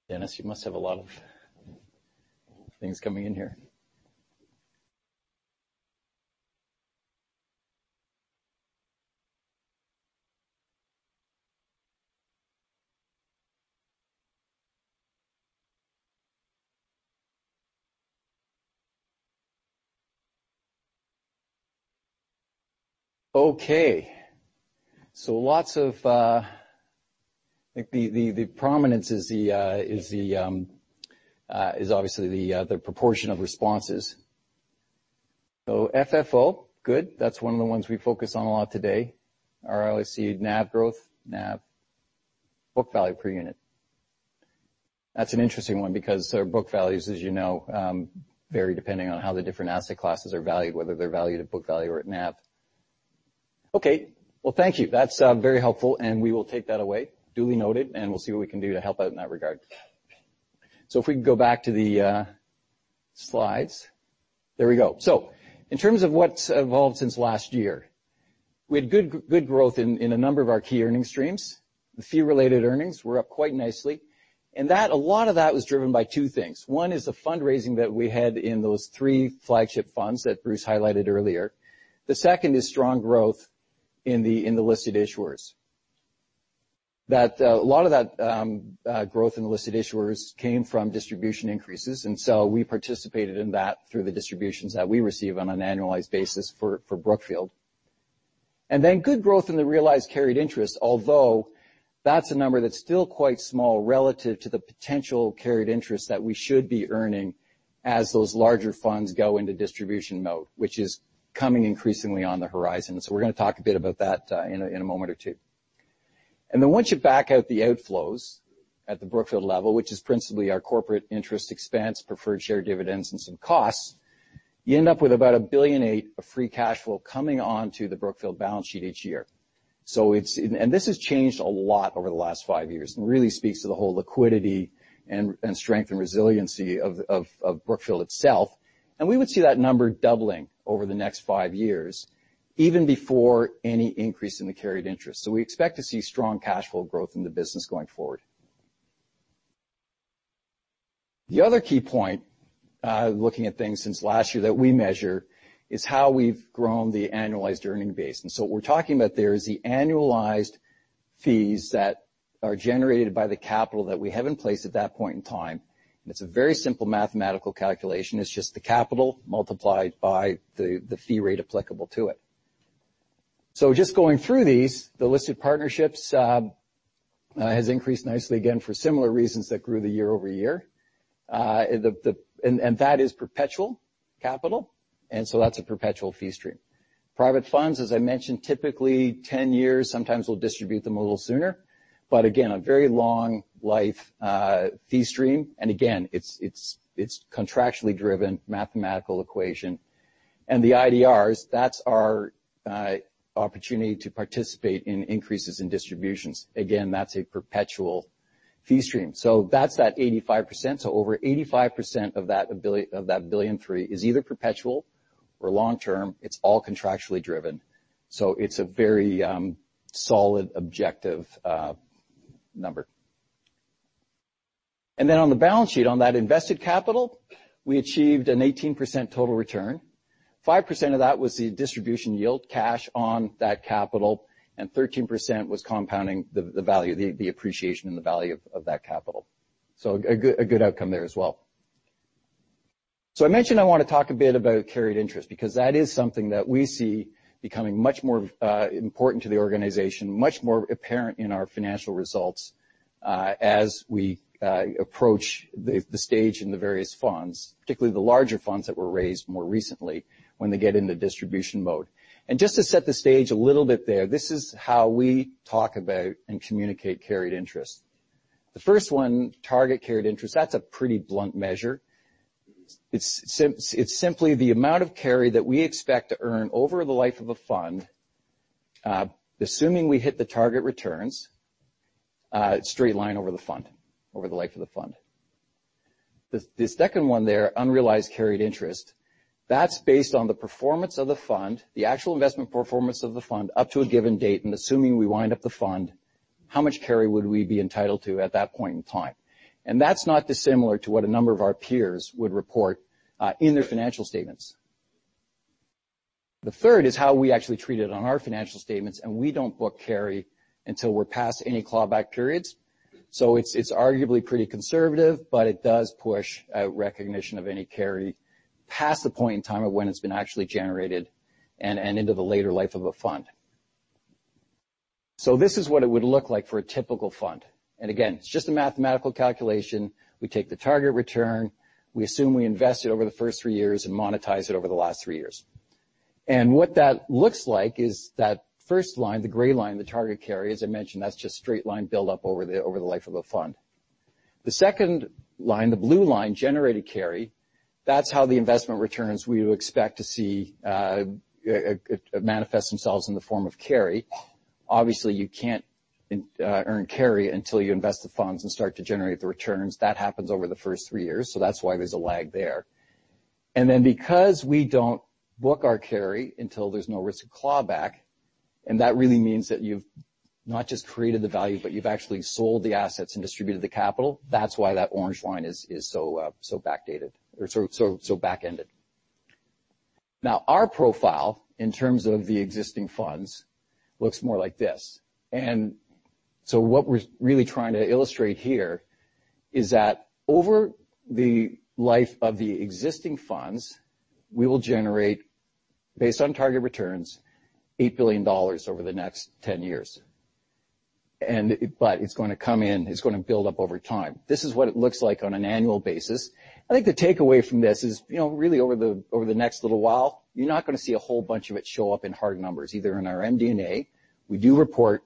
Denis, you must have a lot of things coming in here. Lots of-- The prominence is obviously the proportion of responses. FFO, good. That's one of the ones we focus on a lot today. ROIC, NAV growth, NAV, book value per unit. That's an interesting one because their book values, as you know, vary depending on how the different asset classes are valued, whether they're valued at book value or at NAV. Well, thank you. That's very helpful, and we will take that away. Duly noted, and we'll see what we can do to help out in that regard. If we can go back to the slides. There we go. In terms of what's evolved since last year, we had good growth in a number of our key earning streams. The fee-related earnings were up quite nicely, and a lot of that was driven by two things. One is the fundraising that we had in those three flagship funds that Bruce highlighted earlier. The second is strong growth in the listed issuers. A lot of that growth in listed issuers came from distribution increases, and we participated in that through the distributions that we receive on an annualized basis for Brookfield. Then good growth in the realized carried interest, although that's a number that's still quite small relative to the potential carried interest that we should be earning as those larger funds go into distribution mode, which is coming increasingly on the horizon. We're going to talk a bit about that in a moment or two. Once you back out the outflows at the Brookfield level, which is principally our corporate interest expense, preferred share dividends, and some costs, you end up with about $1.8 billion of free cash flow coming onto the Brookfield balance sheet each year. This has changed a lot over the last five years and really speaks to the whole liquidity and strength and resiliency of Brookfield itself. We would see that number doubling over the next five years, even before any increase in the carried interest. We expect to see strong cash flow growth in the business going forward. Other key point, looking at things since last year that we measure, is how we've grown the annualized earning base. What we're talking about there is the annualized fees that are generated by the capital that we have in place at that point in time. It's a very simple mathematical calculation. It's just the capital multiplied by the fee rate applicable to it. Just going through these, the listed partnerships has increased nicely, again, for similar reasons that grew the year-over-year. That is perpetual capital, that's a perpetual fee stream. Private funds, as I mentioned, typically 10 years, sometimes we'll distribute them a little sooner. Again, a very long life fee stream. Again, it's contractually driven, mathematical equation. The IDRs, that's our opportunity to participate in increases in distributions. Again, that's a perpetual fee stream. That's that 85%. Over 85% of that $1.3 billion is either perpetual or long-term. It's all contractually driven. It's a very solid objective number. On the balance sheet, on that invested capital, we achieved an 18% total return. 5% of that was the distribution yield cash on that capital, and 13% was compounding the value, the appreciation and the value of that capital. A good outcome there as well. I mentioned I want to talk a bit about carried interest, because that is something that we see becoming much more important to the organization, much more apparent in our financial results as we approach the stage in the various funds, particularly the larger funds that were raised more recently when they get into distribution mode. Just to set the stage a little bit there, this is how we talk about and communicate carried interest. The first one, target carried interest, that's a pretty blunt measure. It's simply the amount of carry that we expect to earn over the life of a fund, assuming we hit the target returns, straight line over the fund, over the life of the fund. The second one there, unrealized carried interest, that's based on the performance of the fund, the actual investment performance of the fund up to a given date, and assuming we wind up the fund, how much carry would we be entitled to at that point in time? That's not dissimilar to what a number of our peers would report in their financial statements. The third is how we actually treat it on our financial statements, and we don't book carry until we're past any clawback periods. It's arguably pretty conservative, but it does push out recognition of any carry past the point in time of when it's been actually generated and into the later life of a fund. This is what it would look like for a typical fund. Again, it's just a mathematical calculation. We take the target return, we assume we invest it over the first three years and monetize it over the last three years. What that looks like is that first line, the gray line, the target carry, as I mentioned, that's just straight line build up over the life of a fund. The second line, the blue line, generated carry. That's how the investment returns we would expect to see manifest themselves in the form of carry. Obviously, you can't earn carry until you invest the funds and start to generate the returns. That happens over the first three years, so that's why there's a lag there. Because we don't book our carry until there's no risk of clawback, and that really means that you've not just created the value, but you've actually sold the assets and distributed the capital. That's why that orange line is so backdated or so back-ended. Our profile in terms of the existing funds looks more like this. What we're really trying to illustrate here is that over the life of the existing funds, we will generate, based on target returns, $8 billion over the next 10 years. It's going to come in, it's going to build up over time. This is what it looks like on an annual basis. I think the takeaway from this is really over the next little while, you're not going to see a whole bunch of it show up in hard numbers, either in our MD&A. We do report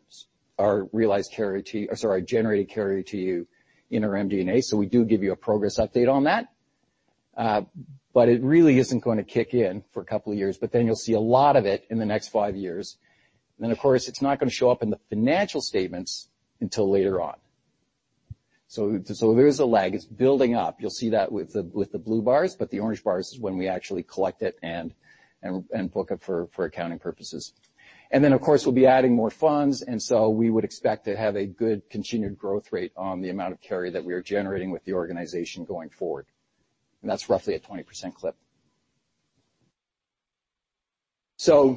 our realized carry to generated carry to you in our MD&A. We do give you a progress update on that. It really isn't going to kick in for a couple of years, but then you'll see a lot of it in the next five years. Of course, it's not going to show up in the financial statements until later on. There is a lag. It's building up. You'll see that with the blue bars, but the orange bar is when we actually collect it and book it for accounting purposes. Of course, we'll be adding more funds, we would expect to have a good continued growth rate on the amount of carry that we are generating with the organization going forward. That's roughly a 20% clip.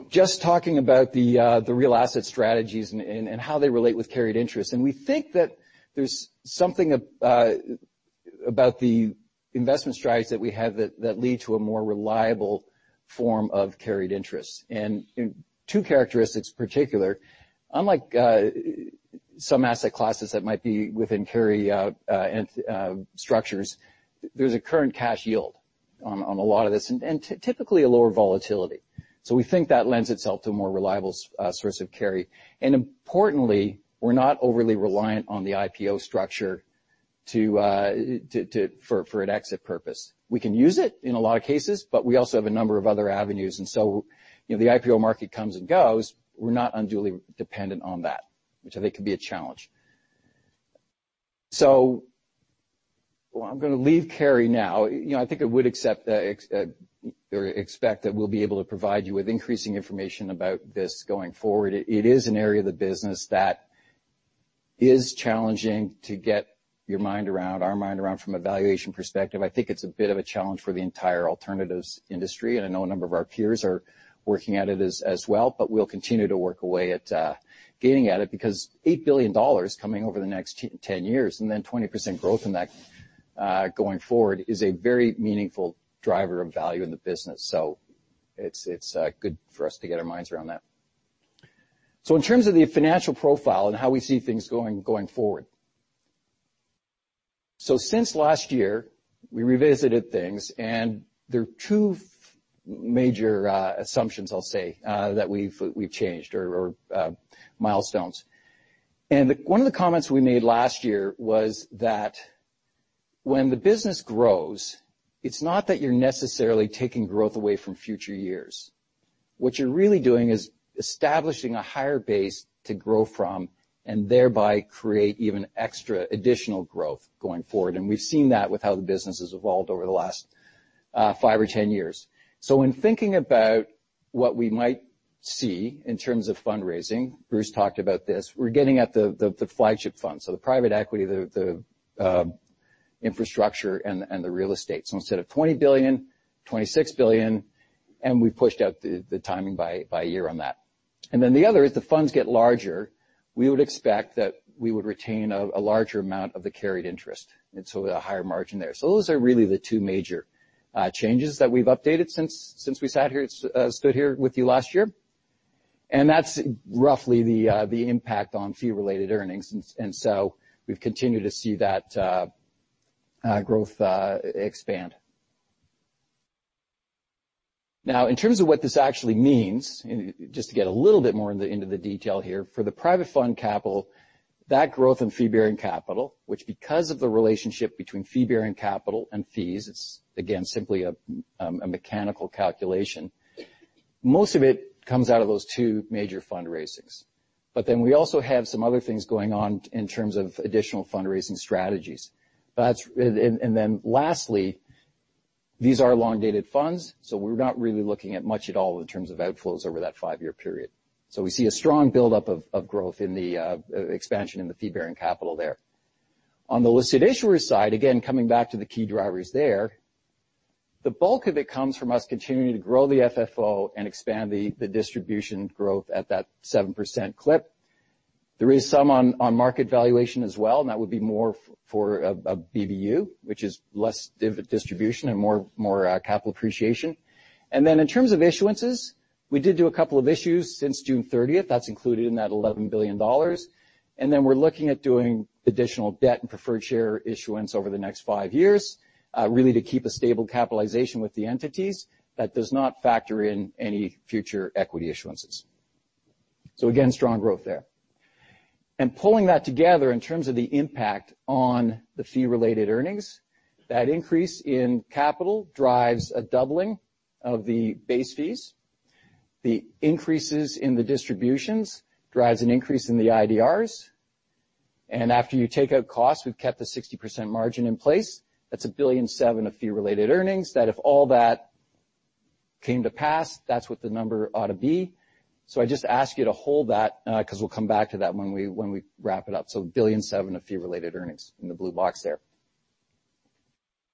Just talking about the real asset strategies and how they relate with carried interest. We think that there's something about the investment strategies that we have that lead to a more reliable form of carried interest. Two characteristics particular, unlike some asset classes that might be within carry structures, there's a current cash yield on a lot of this, and typically a lower volatility. We think that lends itself to a more reliable source of carry. Importantly, we're not overly reliant on the IPO structure for an exit purpose. We can use it in a lot of cases, we also have a number of other avenues. The IPO market comes and goes, we're not unduly dependent on that, which I think can be a challenge. I'm going to leave carry now. I think I would accept or expect that we'll be able to provide you with increasing information about this going forward. It is an area of the business that is challenging to get your mind around, our mind around from a valuation perspective. I think it's a bit of a challenge for the entire alternatives industry, I know a number of our peers are working at it as well, we'll continue to work away at gaining at it because $8 billion coming over the next 10 years then 20% growth in that going forward is a very meaningful driver of value in the business. It's good for us to get our minds around that. In terms of the financial profile and how we see things going forward. Since last year, we revisited things, there are two major assumptions, I'll say, that we've changed or milestones. One of the comments we made last year was that when the business grows, it's not that you're necessarily taking growth away from future years. What you're really doing is establishing a higher base to grow from thereby create even extra additional growth going forward, we've seen that with how the business has evolved over the last five or 10 years. When thinking about what we might see in terms of fundraising, Bruce talked about this, we're getting at the flagship fund. The private equity, the infrastructure, and the real estate. Instead of $20 billion, $26 billion. We've pushed out the timing by a year on that. The other is the funds get larger, we would expect that we would retain a larger amount of the carried interest, a higher margin there. Those are really the two major changes that we've updated since we stood here with you last year. That's roughly the impact on fee-related earnings. We've continued to see that growth expand. Now, in terms of what this actually means, just to get a little bit more into the detail here. For the private fund capital, that growth in fee-bearing capital, which because of the relationship between fee-bearing capital and fees, it's again, simply a mechanical calculation. Most of it comes out of those two major fundraisings. We also have some other things going on in terms of additional fundraising strategies. Lastly, these are long-dated funds, we're not really looking at much at all in terms of outflows over that five-year period. We see a strong buildup of growth in the expansion in the fee-bearing capital there. On the listed issuer side, again, coming back to the key drivers there, the bulk of it comes from us continuing to grow the FFO and expand the distribution growth at that 7% clip. There is some on market valuation as well, that would be more for a BBU, which is less dividend distribution and more capital appreciation. In terms of issuances, we did do a couple of issues since June 30th. That's included in that $11 billion. We're looking at doing additional debt and preferred share issuance over the next five years, really to keep a stable capitalization with the entities that does not factor in any future equity issuances. Again, strong growth there. Pulling that together in terms of the impact on the fee-related earnings, that increase in capital drives a doubling of the base fees. The increases in the distributions drive an increase in the IDRs. After you take out costs, we've kept the 60% margin in place. That's $1.7 billion of fee-related earnings, that if all that came to pass, that's what the number ought to be. I just ask you to hold that, because we'll come back to that when we wrap it up. $1.7 billion of fee-related earnings in the blue box there.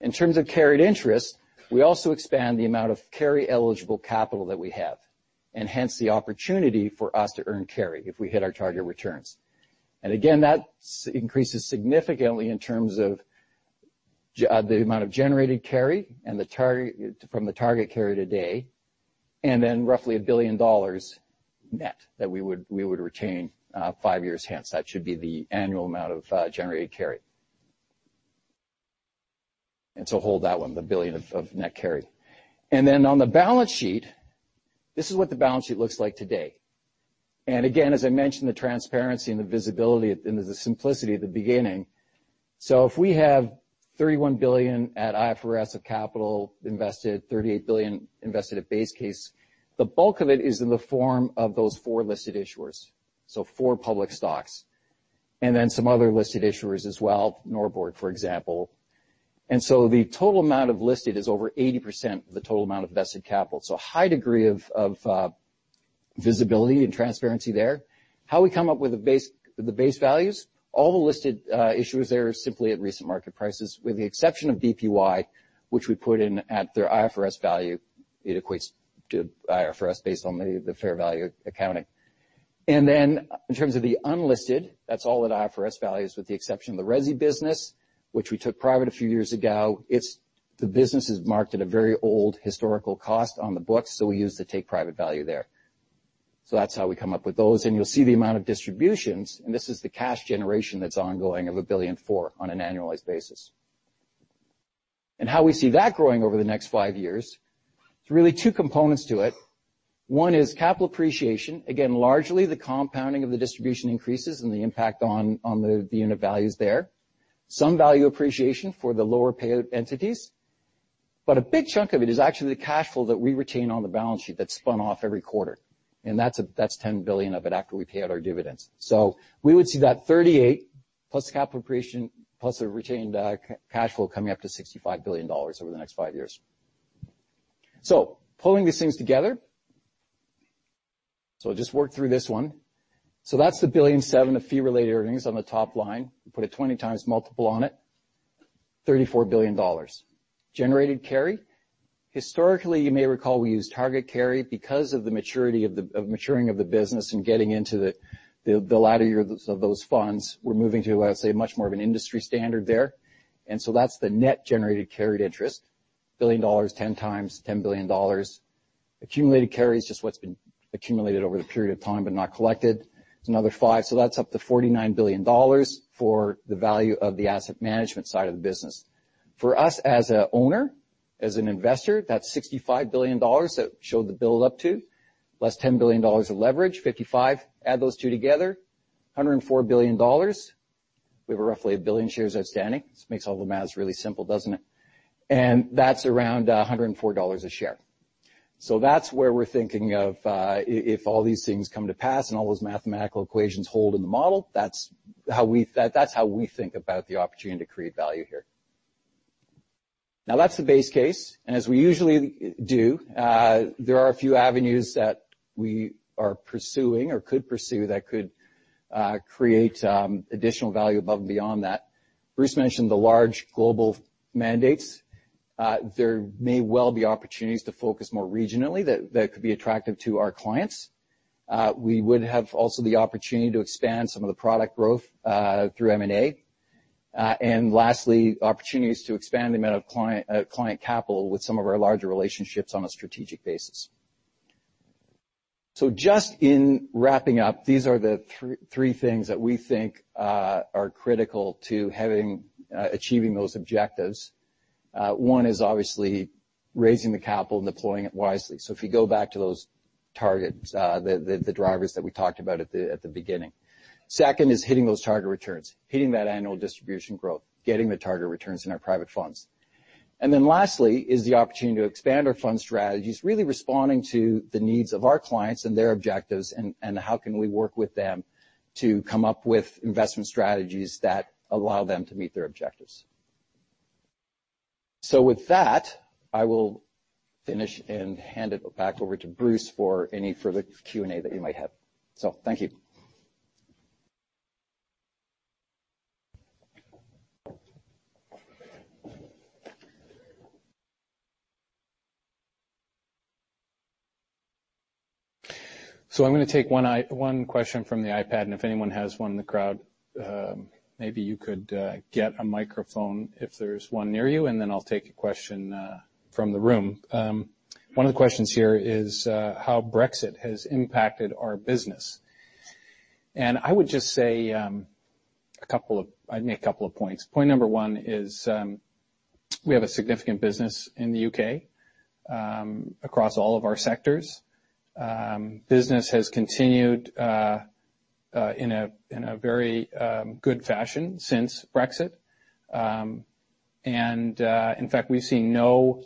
In terms of carried interest, we also expand the amount of carry-eligible capital that we have, and hence the opportunity for us to earn carry if we hit our target returns. Again, that increases significantly in terms of the amount of generated carry and from the target carry today, and then roughly $1 billion net that we would retain five years hence. That should be the annual amount of generated carry. Hold that one, the $1 billion of net carry. On the balance sheet, this is what the balance sheet looks like today. Again, as I mentioned, the transparency and the visibility and the simplicity at the beginning. If we have $31 billion at IFRS of capital invested, $38 billion invested at base case, the bulk of it is in the form of those four listed issuers, so four public stocks. Then some other listed issuers as well, Norbord, for example. The total amount of listed is over 80% of the total amount of invested capital. A high degree of visibility and transparency there. How we come up with the base values, all the listed issuers there are simply at recent market prices, with the exception of BPY, which we put in at their IFRS value. It equates to IFRS based on the fair value accounting. Then in terms of the unlisted, that's all at IFRS values with the exception of the resi business, which we took private a few years ago. The business is marked at a very old historical cost on the books. We use the take-private value there. That's how we come up with those. You'll see the amount of distributions, this is the cash generation that's ongoing of $1.4 billion on an annualized basis. How we see that growing over the next five years, there's really two components to it. One is capital appreciation. Largely the compounding of the distribution increases and the impact on the unit values there. Some value appreciation for the lower payout entities. A big chunk of it is actually the cash flow that we retain on the balance sheet that's spun off every quarter. That's $10 billion of it after we pay out our dividends. We would see that $38 plus capital appreciation plus the retained cash flow coming up to $65 billion over the next five years. Pulling these things together. I'll just work through this one. That's the $1.7 billion of fee-related earnings on the top line. We put a 20x multiple on it, $34 billion. Generated carry. Historically, you may recall we used target carry because of the maturing of the business and getting into the latter years of those funds. We're moving to, I would say, much more of an industry standard there. That's the net generated carried interest, $1 billion, 10 times $10 billion. Accumulated carry is just what's been accumulated over the period of time but not collected. It's another $5 billion. That's up to $49 billion for the value of the asset management side of the business. For us as an owner, as an investor, that's $65 billion that showed the build up to, less $10 billion of leverage, $55 billion. Add those two together, $104 billion. We have roughly a billion shares outstanding. This makes all the math really simple, doesn't it? That's around $104 a share. That's where we're thinking of if all these things come to pass and all those mathematical equations hold in the model, that's how we think about the opportunity to create value here. That's the base case. As we usually do, there are a few avenues that we are pursuing or could pursue that could create additional value above and beyond that. Bruce mentioned the large global mandates. There may well be opportunities to focus more regionally that could be attractive to our clients. We would have also the opportunity to expand some of the product growth, through M&A. Lastly, opportunities to expand the amount of client capital with some of our larger relationships on a strategic basis. Just in wrapping up, these are the three things that we think are critical to achieving those objectives. One is obviously raising the capital and deploying it wisely. If you go back to those targets, the drivers that we talked about at the beginning. Second is hitting those target returns. Hitting that annual distribution growth, getting the target returns in our private funds. Lastly, is the opportunity to expand our fund strategies, really responding to the needs of our clients and their objectives, and how can we work with them to come up with investment strategies that allow them to meet their objectives. With that, I will finish and hand it back over to Bruce for any further Q&A that you might have. Thank you. I'm going to take one question from the iPad, and if anyone has one in the crowd, maybe you could get a microphone if there's one near you, and then I'll take a question from the room. One of the questions here is how Brexit has impacted our business. I would just say, I'd make a couple of points. Point number one is, we have a significant business in the U.K., across all of our sectors. Business has continued in a very good fashion since Brexit. In fact, we've seen no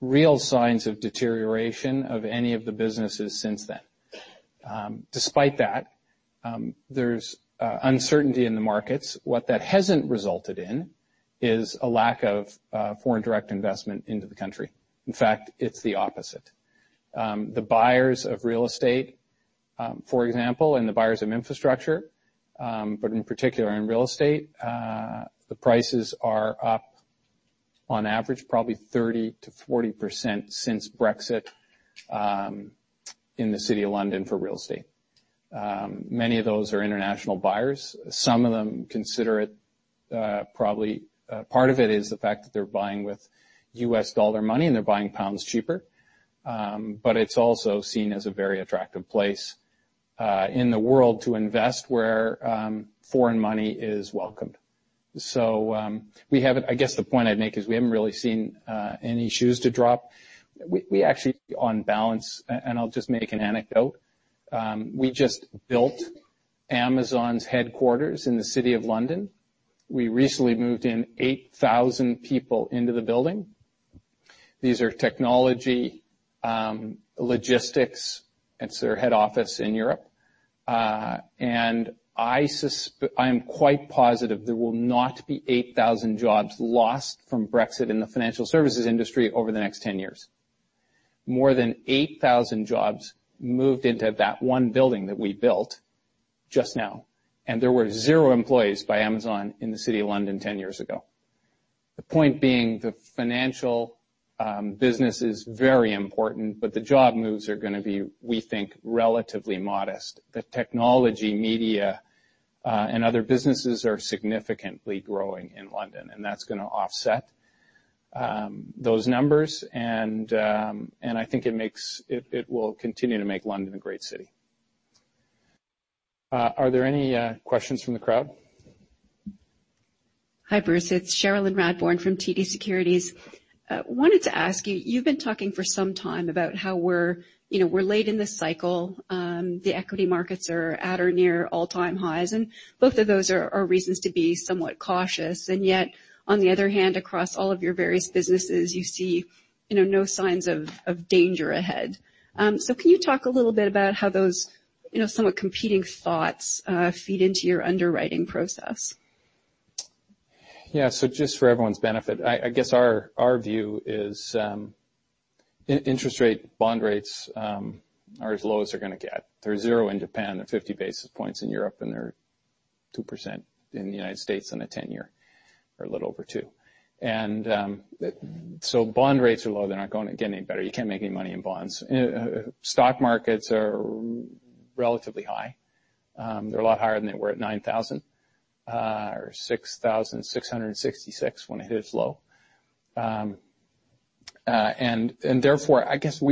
real signs of deterioration of any of the businesses since then. Despite that, there's uncertainty in the markets. What that hasn't resulted in is a lack of foreign direct investment into the country. In fact, it's the opposite. The buyers of real estate, for example, and the buyers of infrastructure, but in particular in real estate, the prices are up on average probably 30%-40% since Brexit, in the City of London for real estate. Many of those are international buyers. Some of them consider it, probably a part of it is the fact that they're buying with US dollar money and they're buying pounds cheaper. It's also seen as a very attractive place, in the world to invest where foreign money is welcomed. I guess the point I'd make is we haven't really seen any shoes to drop. We actually, on balance, and I'll just make an anecdote. We just built Amazon's headquarters in the City of London. We recently moved in 8,000 people into the building. These are technology, logistics. It's their head office in Europe. I am quite positive there will not be 8,000 jobs lost from Brexit in the financial services industry over the next 10 years. More than 8,000 jobs moved into that one building that we built just now, and there were zero employees by Amazon in the City of London 10 years ago. The point being, the financial business is very important, but the job moves are going to be, we think, relatively modest. The technology media, and other businesses are significantly growing in London, and that's going to offset those numbers. I think it will continue to make London a great city. Are there any questions from the crowd? Hi, Bruce. It's Cherilyn Radbourne from TD Securities. Wanted to ask you've been talking for some time about how we're late in this cycle, the equity markets are at or near all-time highs, and both of those are reasons to be somewhat cautious. Yet, on the other hand, across all of your various businesses, you see no signs of danger ahead. Can you talk a little bit about how those somewhat competing thoughts feed into your underwriting process? Yeah. Just for everyone's benefit, I guess our view is, interest rate, bond rates are as low as they're going to get. They're 0 in Japan. They're 50 basis points in Europe, and they're 2% in the U.S. on a 10-year or a little over two. Bond rates are low. They're not going to get any better. You can't make any money in bonds. Stock markets are relatively high. They're a lot higher than they were at 9,000 or 6,666 when it hit its low. Therefore, I guess,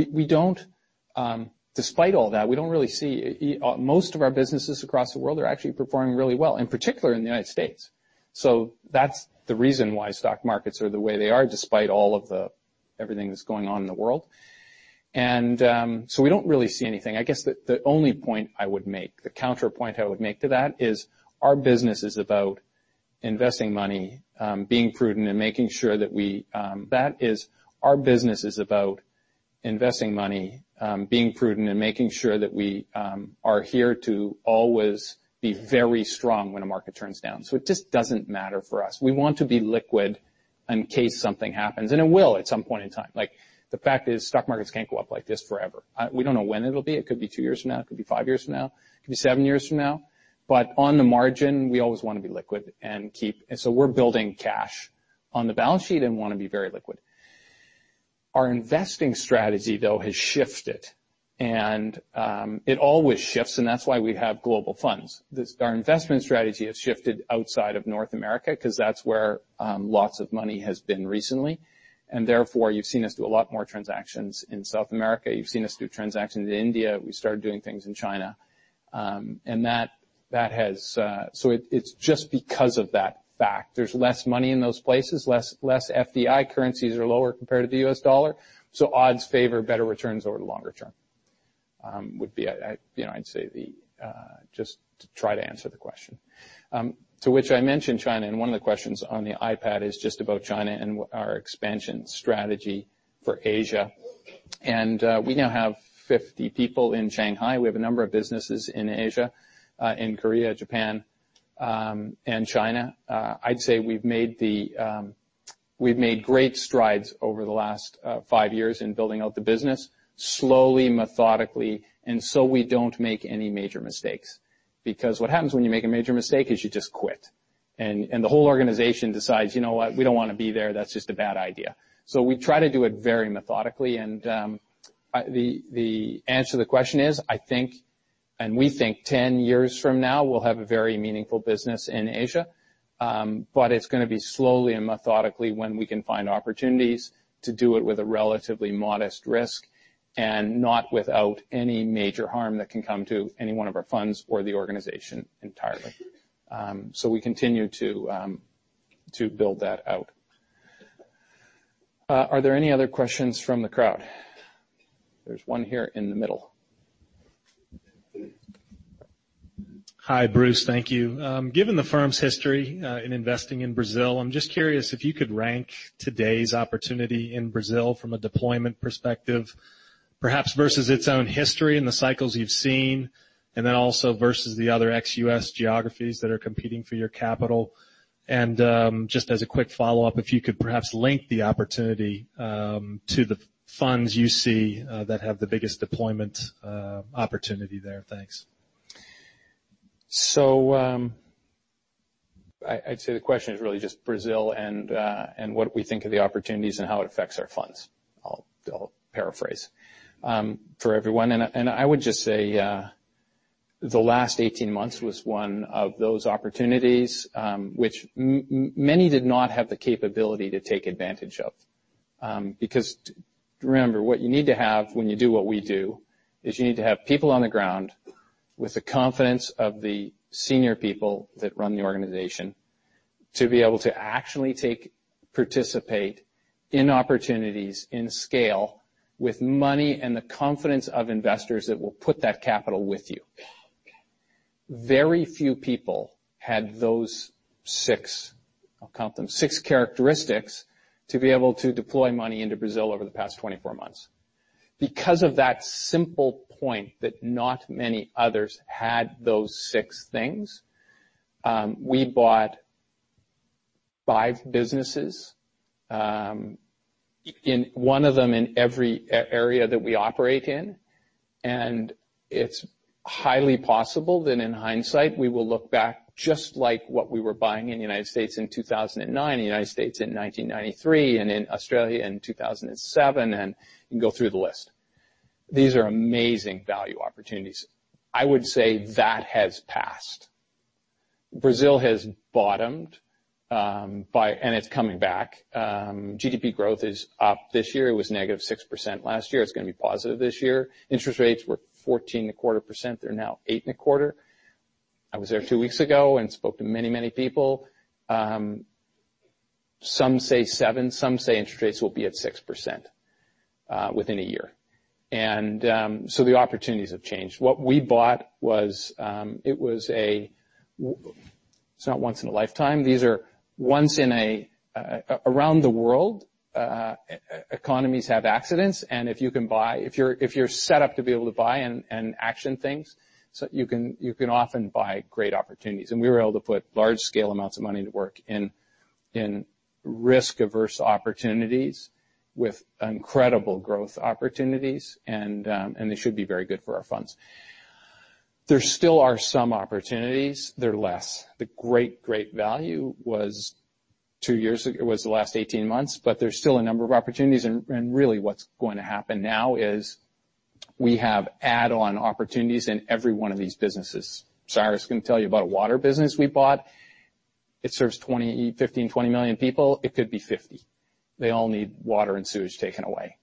despite all that, we don't really see. Most of our businesses across the world are actually performing really well, in particular in the U.S. That's the reason why stock markets are the way they are, despite all of everything that's going on in the world. We don't really see anything. I guess the only point I would make, the counterpoint I would make to that is our business is about investing money, being prudent and making sure that we are here to always be very strong when a market turns down. It just doesn't matter for us. We want to be liquid. In case something happens, and it will at some point in time. The fact is, stock markets can't go up like this forever. We don't know when it'll be. It could be two years from now, it could be five years from now, it could be seven years from now. On the margin, we always want to be liquid. We're building cash on the balance sheet and want to be very liquid. Our investing strategy, though, has shifted, and it always shifts, and that's why we have global funds. Our investment strategy has shifted outside of North America because that's where lots of money has been recently, and therefore, you've seen us do a lot more transactions in South America. You've seen us do transactions in India. We started doing things in China. It's just because of that fact. There's less money in those places, less FDI, currencies are lower compared to the U.S. dollar. Odds favor better returns over the longer term. I'd say, just to try to answer the question. To which I mentioned China, and one of the questions on the iPad is just about China and our expansion strategy for Asia. We now have 50 people in Shanghai. We have a number of businesses in Asia, in Korea, Japan, and China. I'd say we've made great strides over the last five years in building out the business slowly, methodically, so we don't make any major mistakes. What happens when you make a major mistake is you just quit, and the whole organization decides, "You know what? We don't want to be there. That's just a bad idea." We try to do it very methodically, and the answer to the question is, I think, we think 10 years from now, we'll have a very meaningful business in Asia. It's going to be slowly and methodically when we can find opportunities to do it with a relatively modest risk, and not without any major harm that can come to any one of our funds or the organization entirely. We continue to build that out. Are there any other questions from the crowd? There's one here in the middle. Hi, Bruce. Thank you. Given the firm's history in investing in Brazil, I'm just curious if you could rank today's opportunity in Brazil from a deployment perspective, perhaps versus its own history and the cycles you've seen, and also versus the other ex-U.S. geographies that are competing for your capital. Just as a quick follow-up, if you could perhaps link the opportunity to the funds you see that have the biggest deployment opportunity there. Thanks. I'd say the question is really just Brazil and what we think of the opportunities and how it affects our funds. I'll paraphrase for everyone. I would just say the last 18 months was one of those opportunities, which many did not have the capability to take advantage of. Because remember, what you need to have when you do what we do is you need to have people on the ground with the confidence of the senior people that run the organization to be able to actually participate in opportunities in scale with money and the confidence of investors that will put that capital with you. Very few people had those six characteristics to be able to deploy money into Brazil over the past 24 months. Of that simple point that not many others had those six things, we bought five businesses. One of them in every area that we operate in, and it's highly possible that in hindsight, we will look back just like what we were buying in the U.S. in 2009, the U.S. in 1993, and in Australia in 2007, you can go through the list. These are amazing value opportunities. I would say that has passed. Brazil has bottomed, and it's coming back. GDP growth is up this year. It was -6% last year. It's going to be positive this year. Interest rates were 14.25%. They're now 8.25%. I was there two weeks ago and spoke to many, many people. Some say 7, some say interest rates will be at 6% within a year. The opportunities have changed. It's not once in a lifetime. These are once in a. Around the world, economies have accidents, if you're set up to be able to buy and action things, you can often buy great opportunities. We were able to put large scale amounts of money to work in risk-averse opportunities with incredible growth opportunities, and they should be very good for our funds. There still are some opportunities. They're less. The great value was the last 18 months, but there's still a number of opportunities, and really what's going to happen now is we have add-on opportunities in every one of these businesses. Cyrus can tell you about a water business we bought. It serves 15, 20 million people. It could be 50. They all need water and sewage taken away.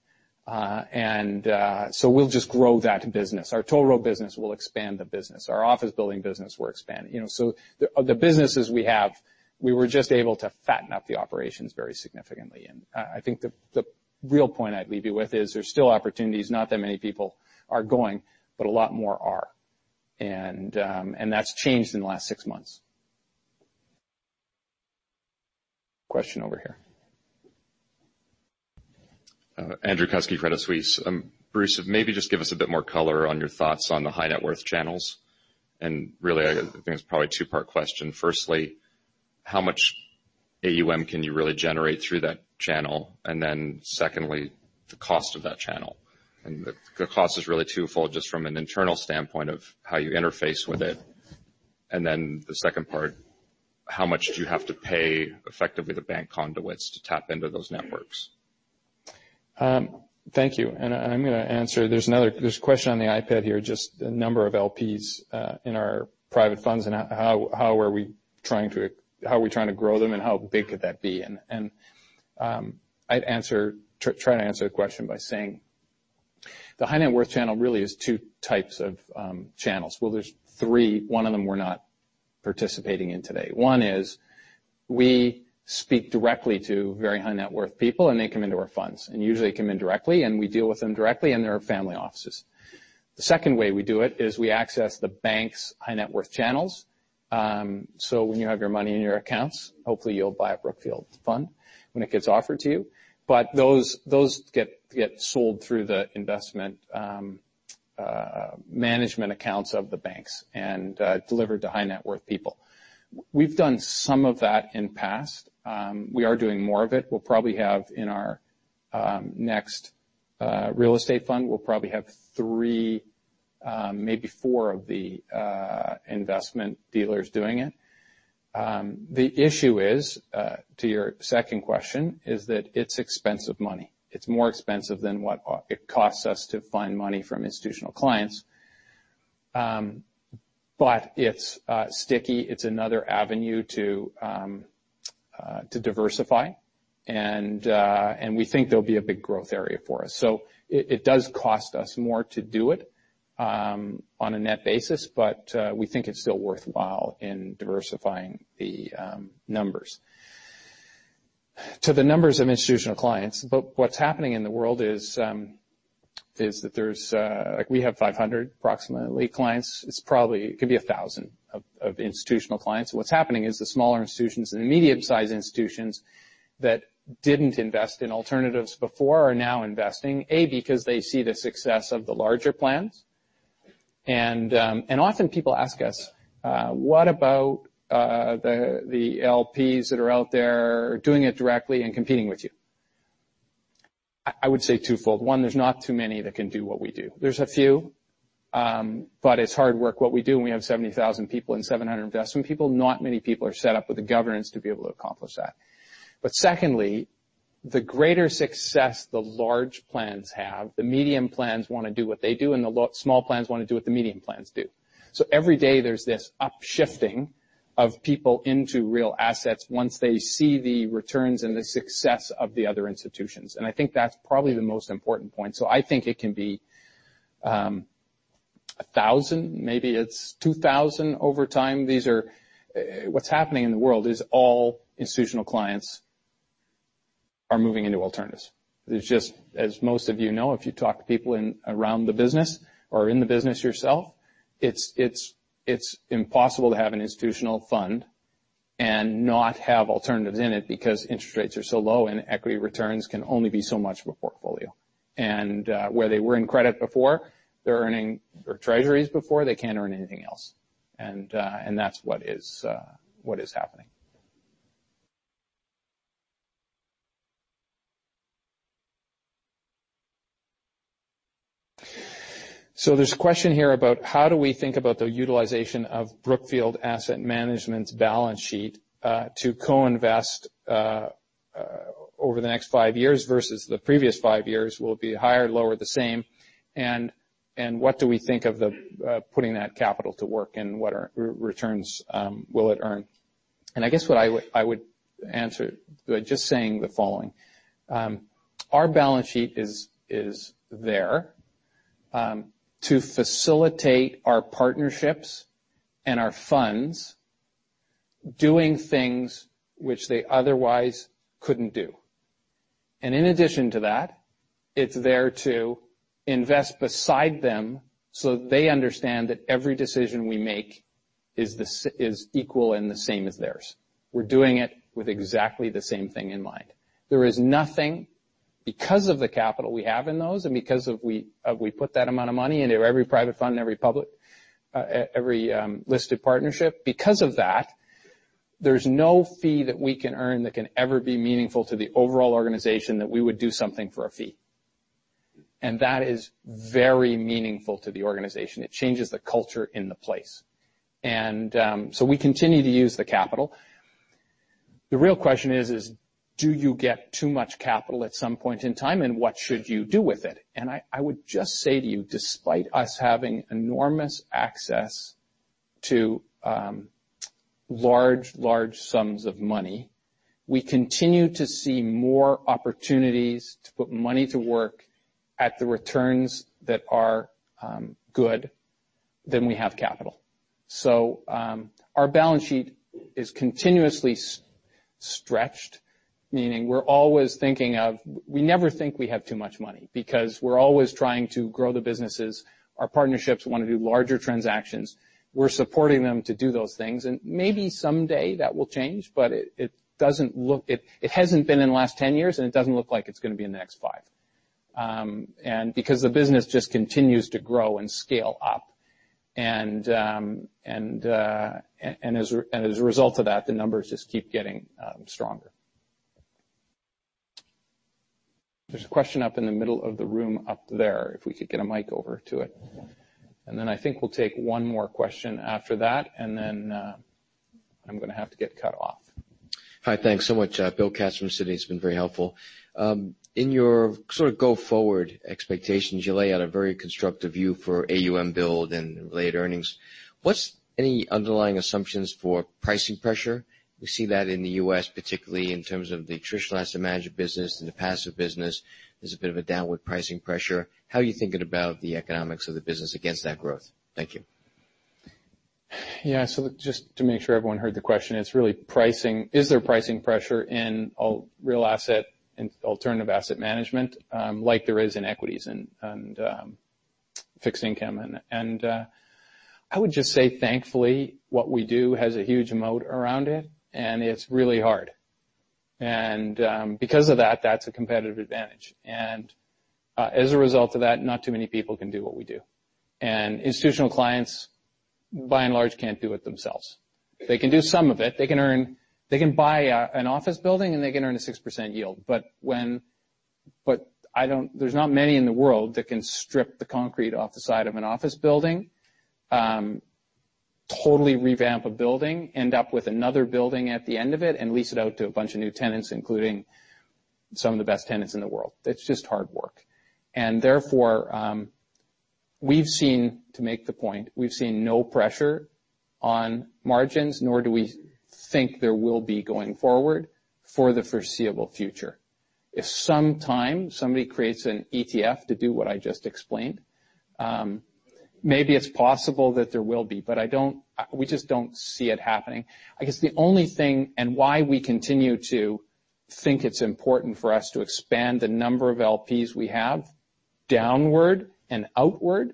We'll just grow that business. Our toll road business, we'll expand the business. Our office building business, we're expanding. The businesses we have, we were just able to fatten up the operations very significantly. I think the real point I'd leave you with is there's still opportunities. Not that many people are going, but a lot more are. That's changed in the last six months. Question over here Andrew Kuske, Credit Suisse. Bruce, maybe just give us a bit more color on your thoughts on the high net worth channels. Really, I think it's probably a two-part question. Firstly, how much AUM can you really generate through that channel? Secondly, the cost of that channel. The cost is really twofold, just from an internal standpoint of how you interface with it. Then the second part, how much do you have to pay effectively the bank conduits to tap into those networks? Thank you. I'm going to answer. There's a question on the iPad here, just the number of LPs, in our private funds and how are we trying to grow them, and how big could that be? I'd try to answer the question by saying the high net worth channel really is two types of channels. Well, there's three. One of them we're not participating in today. One is we speak directly to very high net worth people, and they come into our funds, and usually they come in directly, and we deal with them directly, and they're family offices. The second way we do it is we access the bank's high net worth channels. When you have your money in your accounts, hopefully you'll buy a Brookfield fund when it gets offered to you. Those get sold through the investment management accounts of the banks and delivered to high net worth people. We've done some of that in past. We are doing more of it. We'll probably have in our next real estate fund, we'll probably have three, maybe four of the investment dealers doing it. The issue is, to your second question, is that it's expensive money. It's more expensive than what it costs us to find money from institutional clients. It's sticky. It's another avenue to diversify, and we think there'll be a big growth area for us. It does cost us more to do it, on a net basis, but we think it's still worthwhile in diversifying the numbers. To the numbers of institutional clients. What's happening in the world is that we have 500, approximately, clients. It could be a thousand of institutional clients. What's happening is the smaller institutions and the medium-sized institutions that didn't invest in alternatives before are now investing, A, because they see the success of the larger plans. Often people ask us, "What about the LPs that are out there doing it directly and competing with you?" I would say twofold. One, there's not too many that can do what we do. There's a few, but it's hard work, what we do, and we have 70,000 people and 700 investment people. Not many people are set up with the governance to be able to accomplish that. Secondly, the greater success the large plans have, the medium plans want to do what they do, and the small plans want to do what the medium plans do. Every day, there's this upshifting of people into real assets once they see the returns and the success of the other institutions. I think that's probably the most important point. I think it can be a thousand, maybe it's 2,000 over time. What's happening in the world is all institutional clients are moving into alternatives. As most of you know, if you talk to people around the business or in the business yourself, it's impossible to have an institutional fund and not have alternatives in it because interest rates are so low and equity returns can only be so much of a portfolio. Where they were in credit before, they're earning treasuries before, they can't earn anything else. That's what is happening. There's a question here about how do we think about the utilization of Brookfield Asset Management's balance sheet, to co-invest over the next five years versus the previous five years, will it be higher, lower, the same? What do we think of putting that capital to work and what returns will it earn? I guess what I would answer by just saying the following. Our balance sheet is there, to facilitate our partnerships and our funds doing things which they otherwise couldn't do. In addition to that, it's there to invest beside them so that they understand that every decision we make is equal and the same as theirs. We're doing it with exactly the same thing in mind. There is nothing because of the capital we have in those and because we put that amount of money into every private fund and every listed partnership. Because of that, there's no fee that we can earn that can ever be meaningful to the overall organization that we would do something for a fee. That is very meaningful to the organization. It changes the culture in the place. We continue to use the capital. The real question is, do you get too much capital at some point in time, and what should you do with it? I would just say to you, despite us having enormous access to large sums of money, we continue to see more opportunities to put money to work at the returns that are good than we have capital. Our balance sheet is continuously stretched, meaning we're always thinking. We never think we have too much money because we're always trying to grow the businesses. Our partnerships want to do larger transactions. We're supporting them to do those things. Maybe someday that will change, but it hasn't been in the last 10 years, and it doesn't look like it's going to be in the next five. Because the business just continues to grow and scale up. As a result of that, the numbers just keep getting stronger. There's a question up in the middle of the room up there, if we could get a mic over to it. Then I think we'll take one more question after that, and then I'm going to have to get cut off. Hi, thanks so much. William Katz from Citi. It's been very helpful. In your sort of go-forward expectations, you lay out a very constructive view for AUM build and related earnings. What's any underlying assumptions for pricing pressure? We see that in the U.S., particularly in terms of the traditional asset management business and the passive business. There's a bit of a downward pricing pressure. How are you thinking about the economics of the business against that growth? Thank you. Yeah. Just to make sure everyone heard the question, it's really pricing. Is there pricing pressure in real asset and alternative asset management, like there is in equities and fixed income? I would just say, thankfully, what we do has a huge moat around it, and it's really hard. Because of that's a competitive advantage. As a result of that, not too many people can do what we do. Institutional clients, by and large, can't do it themselves. They can do some of it. They can buy an office building, and they can earn a 6% yield. There's not many in the world that can strip the concrete off the side of an office building, totally revamp a building, end up with another building at the end of it, and lease it out to a bunch of new tenants, including some of the best tenants in the world. It's just hard work. Therefore, to make the point, we've seen no pressure on margins, nor do we think there will be going forward for the foreseeable future. If sometime, somebody creates an ETF to do what I just explained, maybe it's possible that there will be, but we just don't see it happening. I guess the only thing, why we continue to think it's important for us to expand the number of LPs we have downward and outward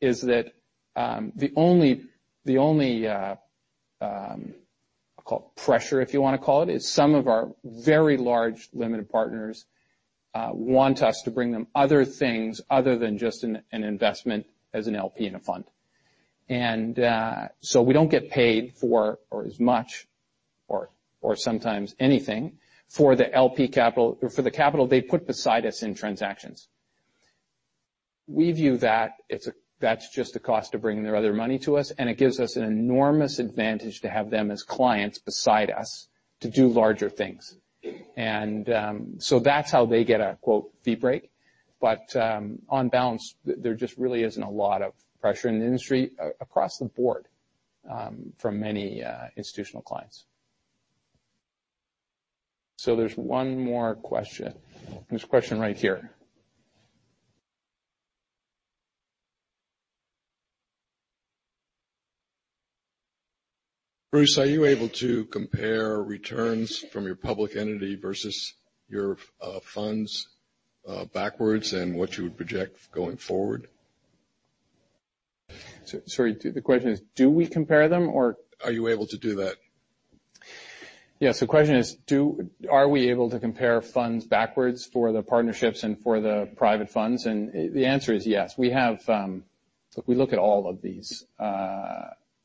is that the only pressure, if you want to call it, is some of our very large limited partners want us to bring them other things other than just an investment as an LP in a fund. We don't get paid for as much or sometimes anything for the capital they put beside us in transactions. We view that's just a cost of bringing their other money to us, and it gives us an enormous advantage to have them as clients beside us to do larger things. That's how they get a, quote, "fee break." On balance, there just really isn't a lot of pressure in the industry across the board from many institutional clients. There's one more question. There's a question right here. Bruce, are you able to compare returns from your public entity versus your funds backwards and what you would project going forward? Sorry. The question is, do we compare them or- Are you able to do that? Yes, the question is, are we able to compare funds backwards for the partnerships and for the private funds? The answer is yes. We look at all of these.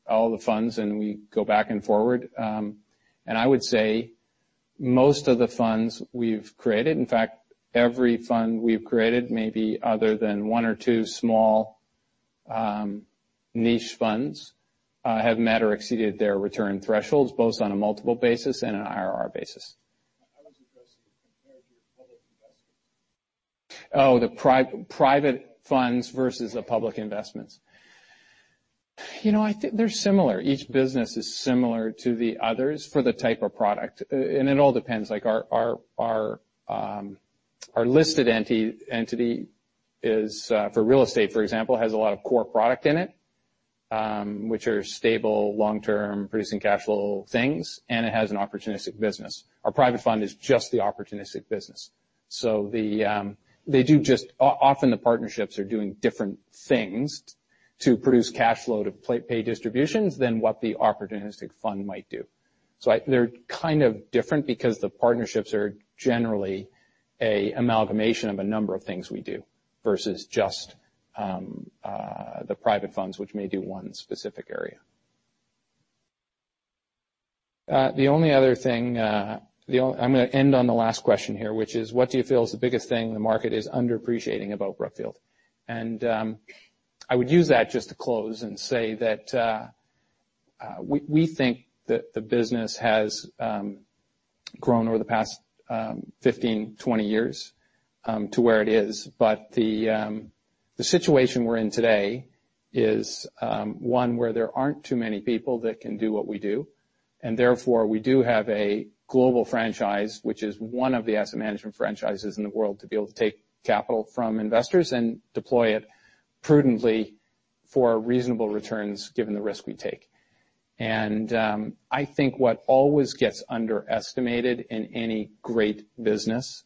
All the funds, and we go back and forward. I would say most of the funds we've created, in fact, every fund we've created, maybe other than one or two small niche funds, have met or exceeded their return thresholds, both on a multiple basis and an IRR basis. I was addressing compared to your public investments. Oh, the private funds versus the public investments. They're similar. Each business is similar to the others for the type of product. It all depends. Our listed entity for real estate, for example, has a lot of core product in it, which are stable, long-term, producing cash flow things, and it has an opportunistic business. Our private fund is just the opportunistic business. Often the partnerships are doing different things to produce cash flow to pay distributions than what the opportunistic fund might do. They're kind of different because the partnerships are generally an amalgamation of a number of things we do, versus just the private funds, which may do one specific area. I'm going to end on the last question here, which is, what do you feel is the biggest thing the market is underappreciating about Brookfield? I would use that just to close and say that we think that the business has grown over the past 15, 20 years to where it is. The situation we're in today is one where there aren't too many people that can do what we do, and therefore we do have a global franchise, which is one of the asset management franchises in the world, to be able to take capital from investors and deploy it prudently for reasonable returns given the risk we take. I think what always gets underestimated in any great business,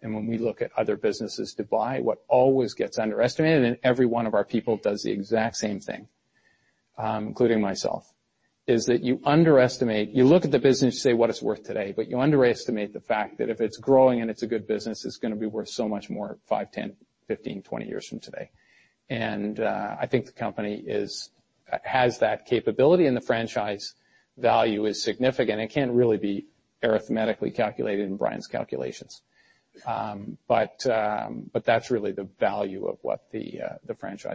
and when we look at other businesses to buy, what always gets underestimated, and every one of our people does the exact same thing, including myself, is that you look at the business and you say what it's worth today, but you underestimate the fact that if it's growing and it's a good business, it's going to be worth so much more five, 10, 15, 20 years from today. I think the company has that capability, and the franchise value is significant. It can't really be arithmetically calculated in Brian's calculations. That's really the value of what the franchise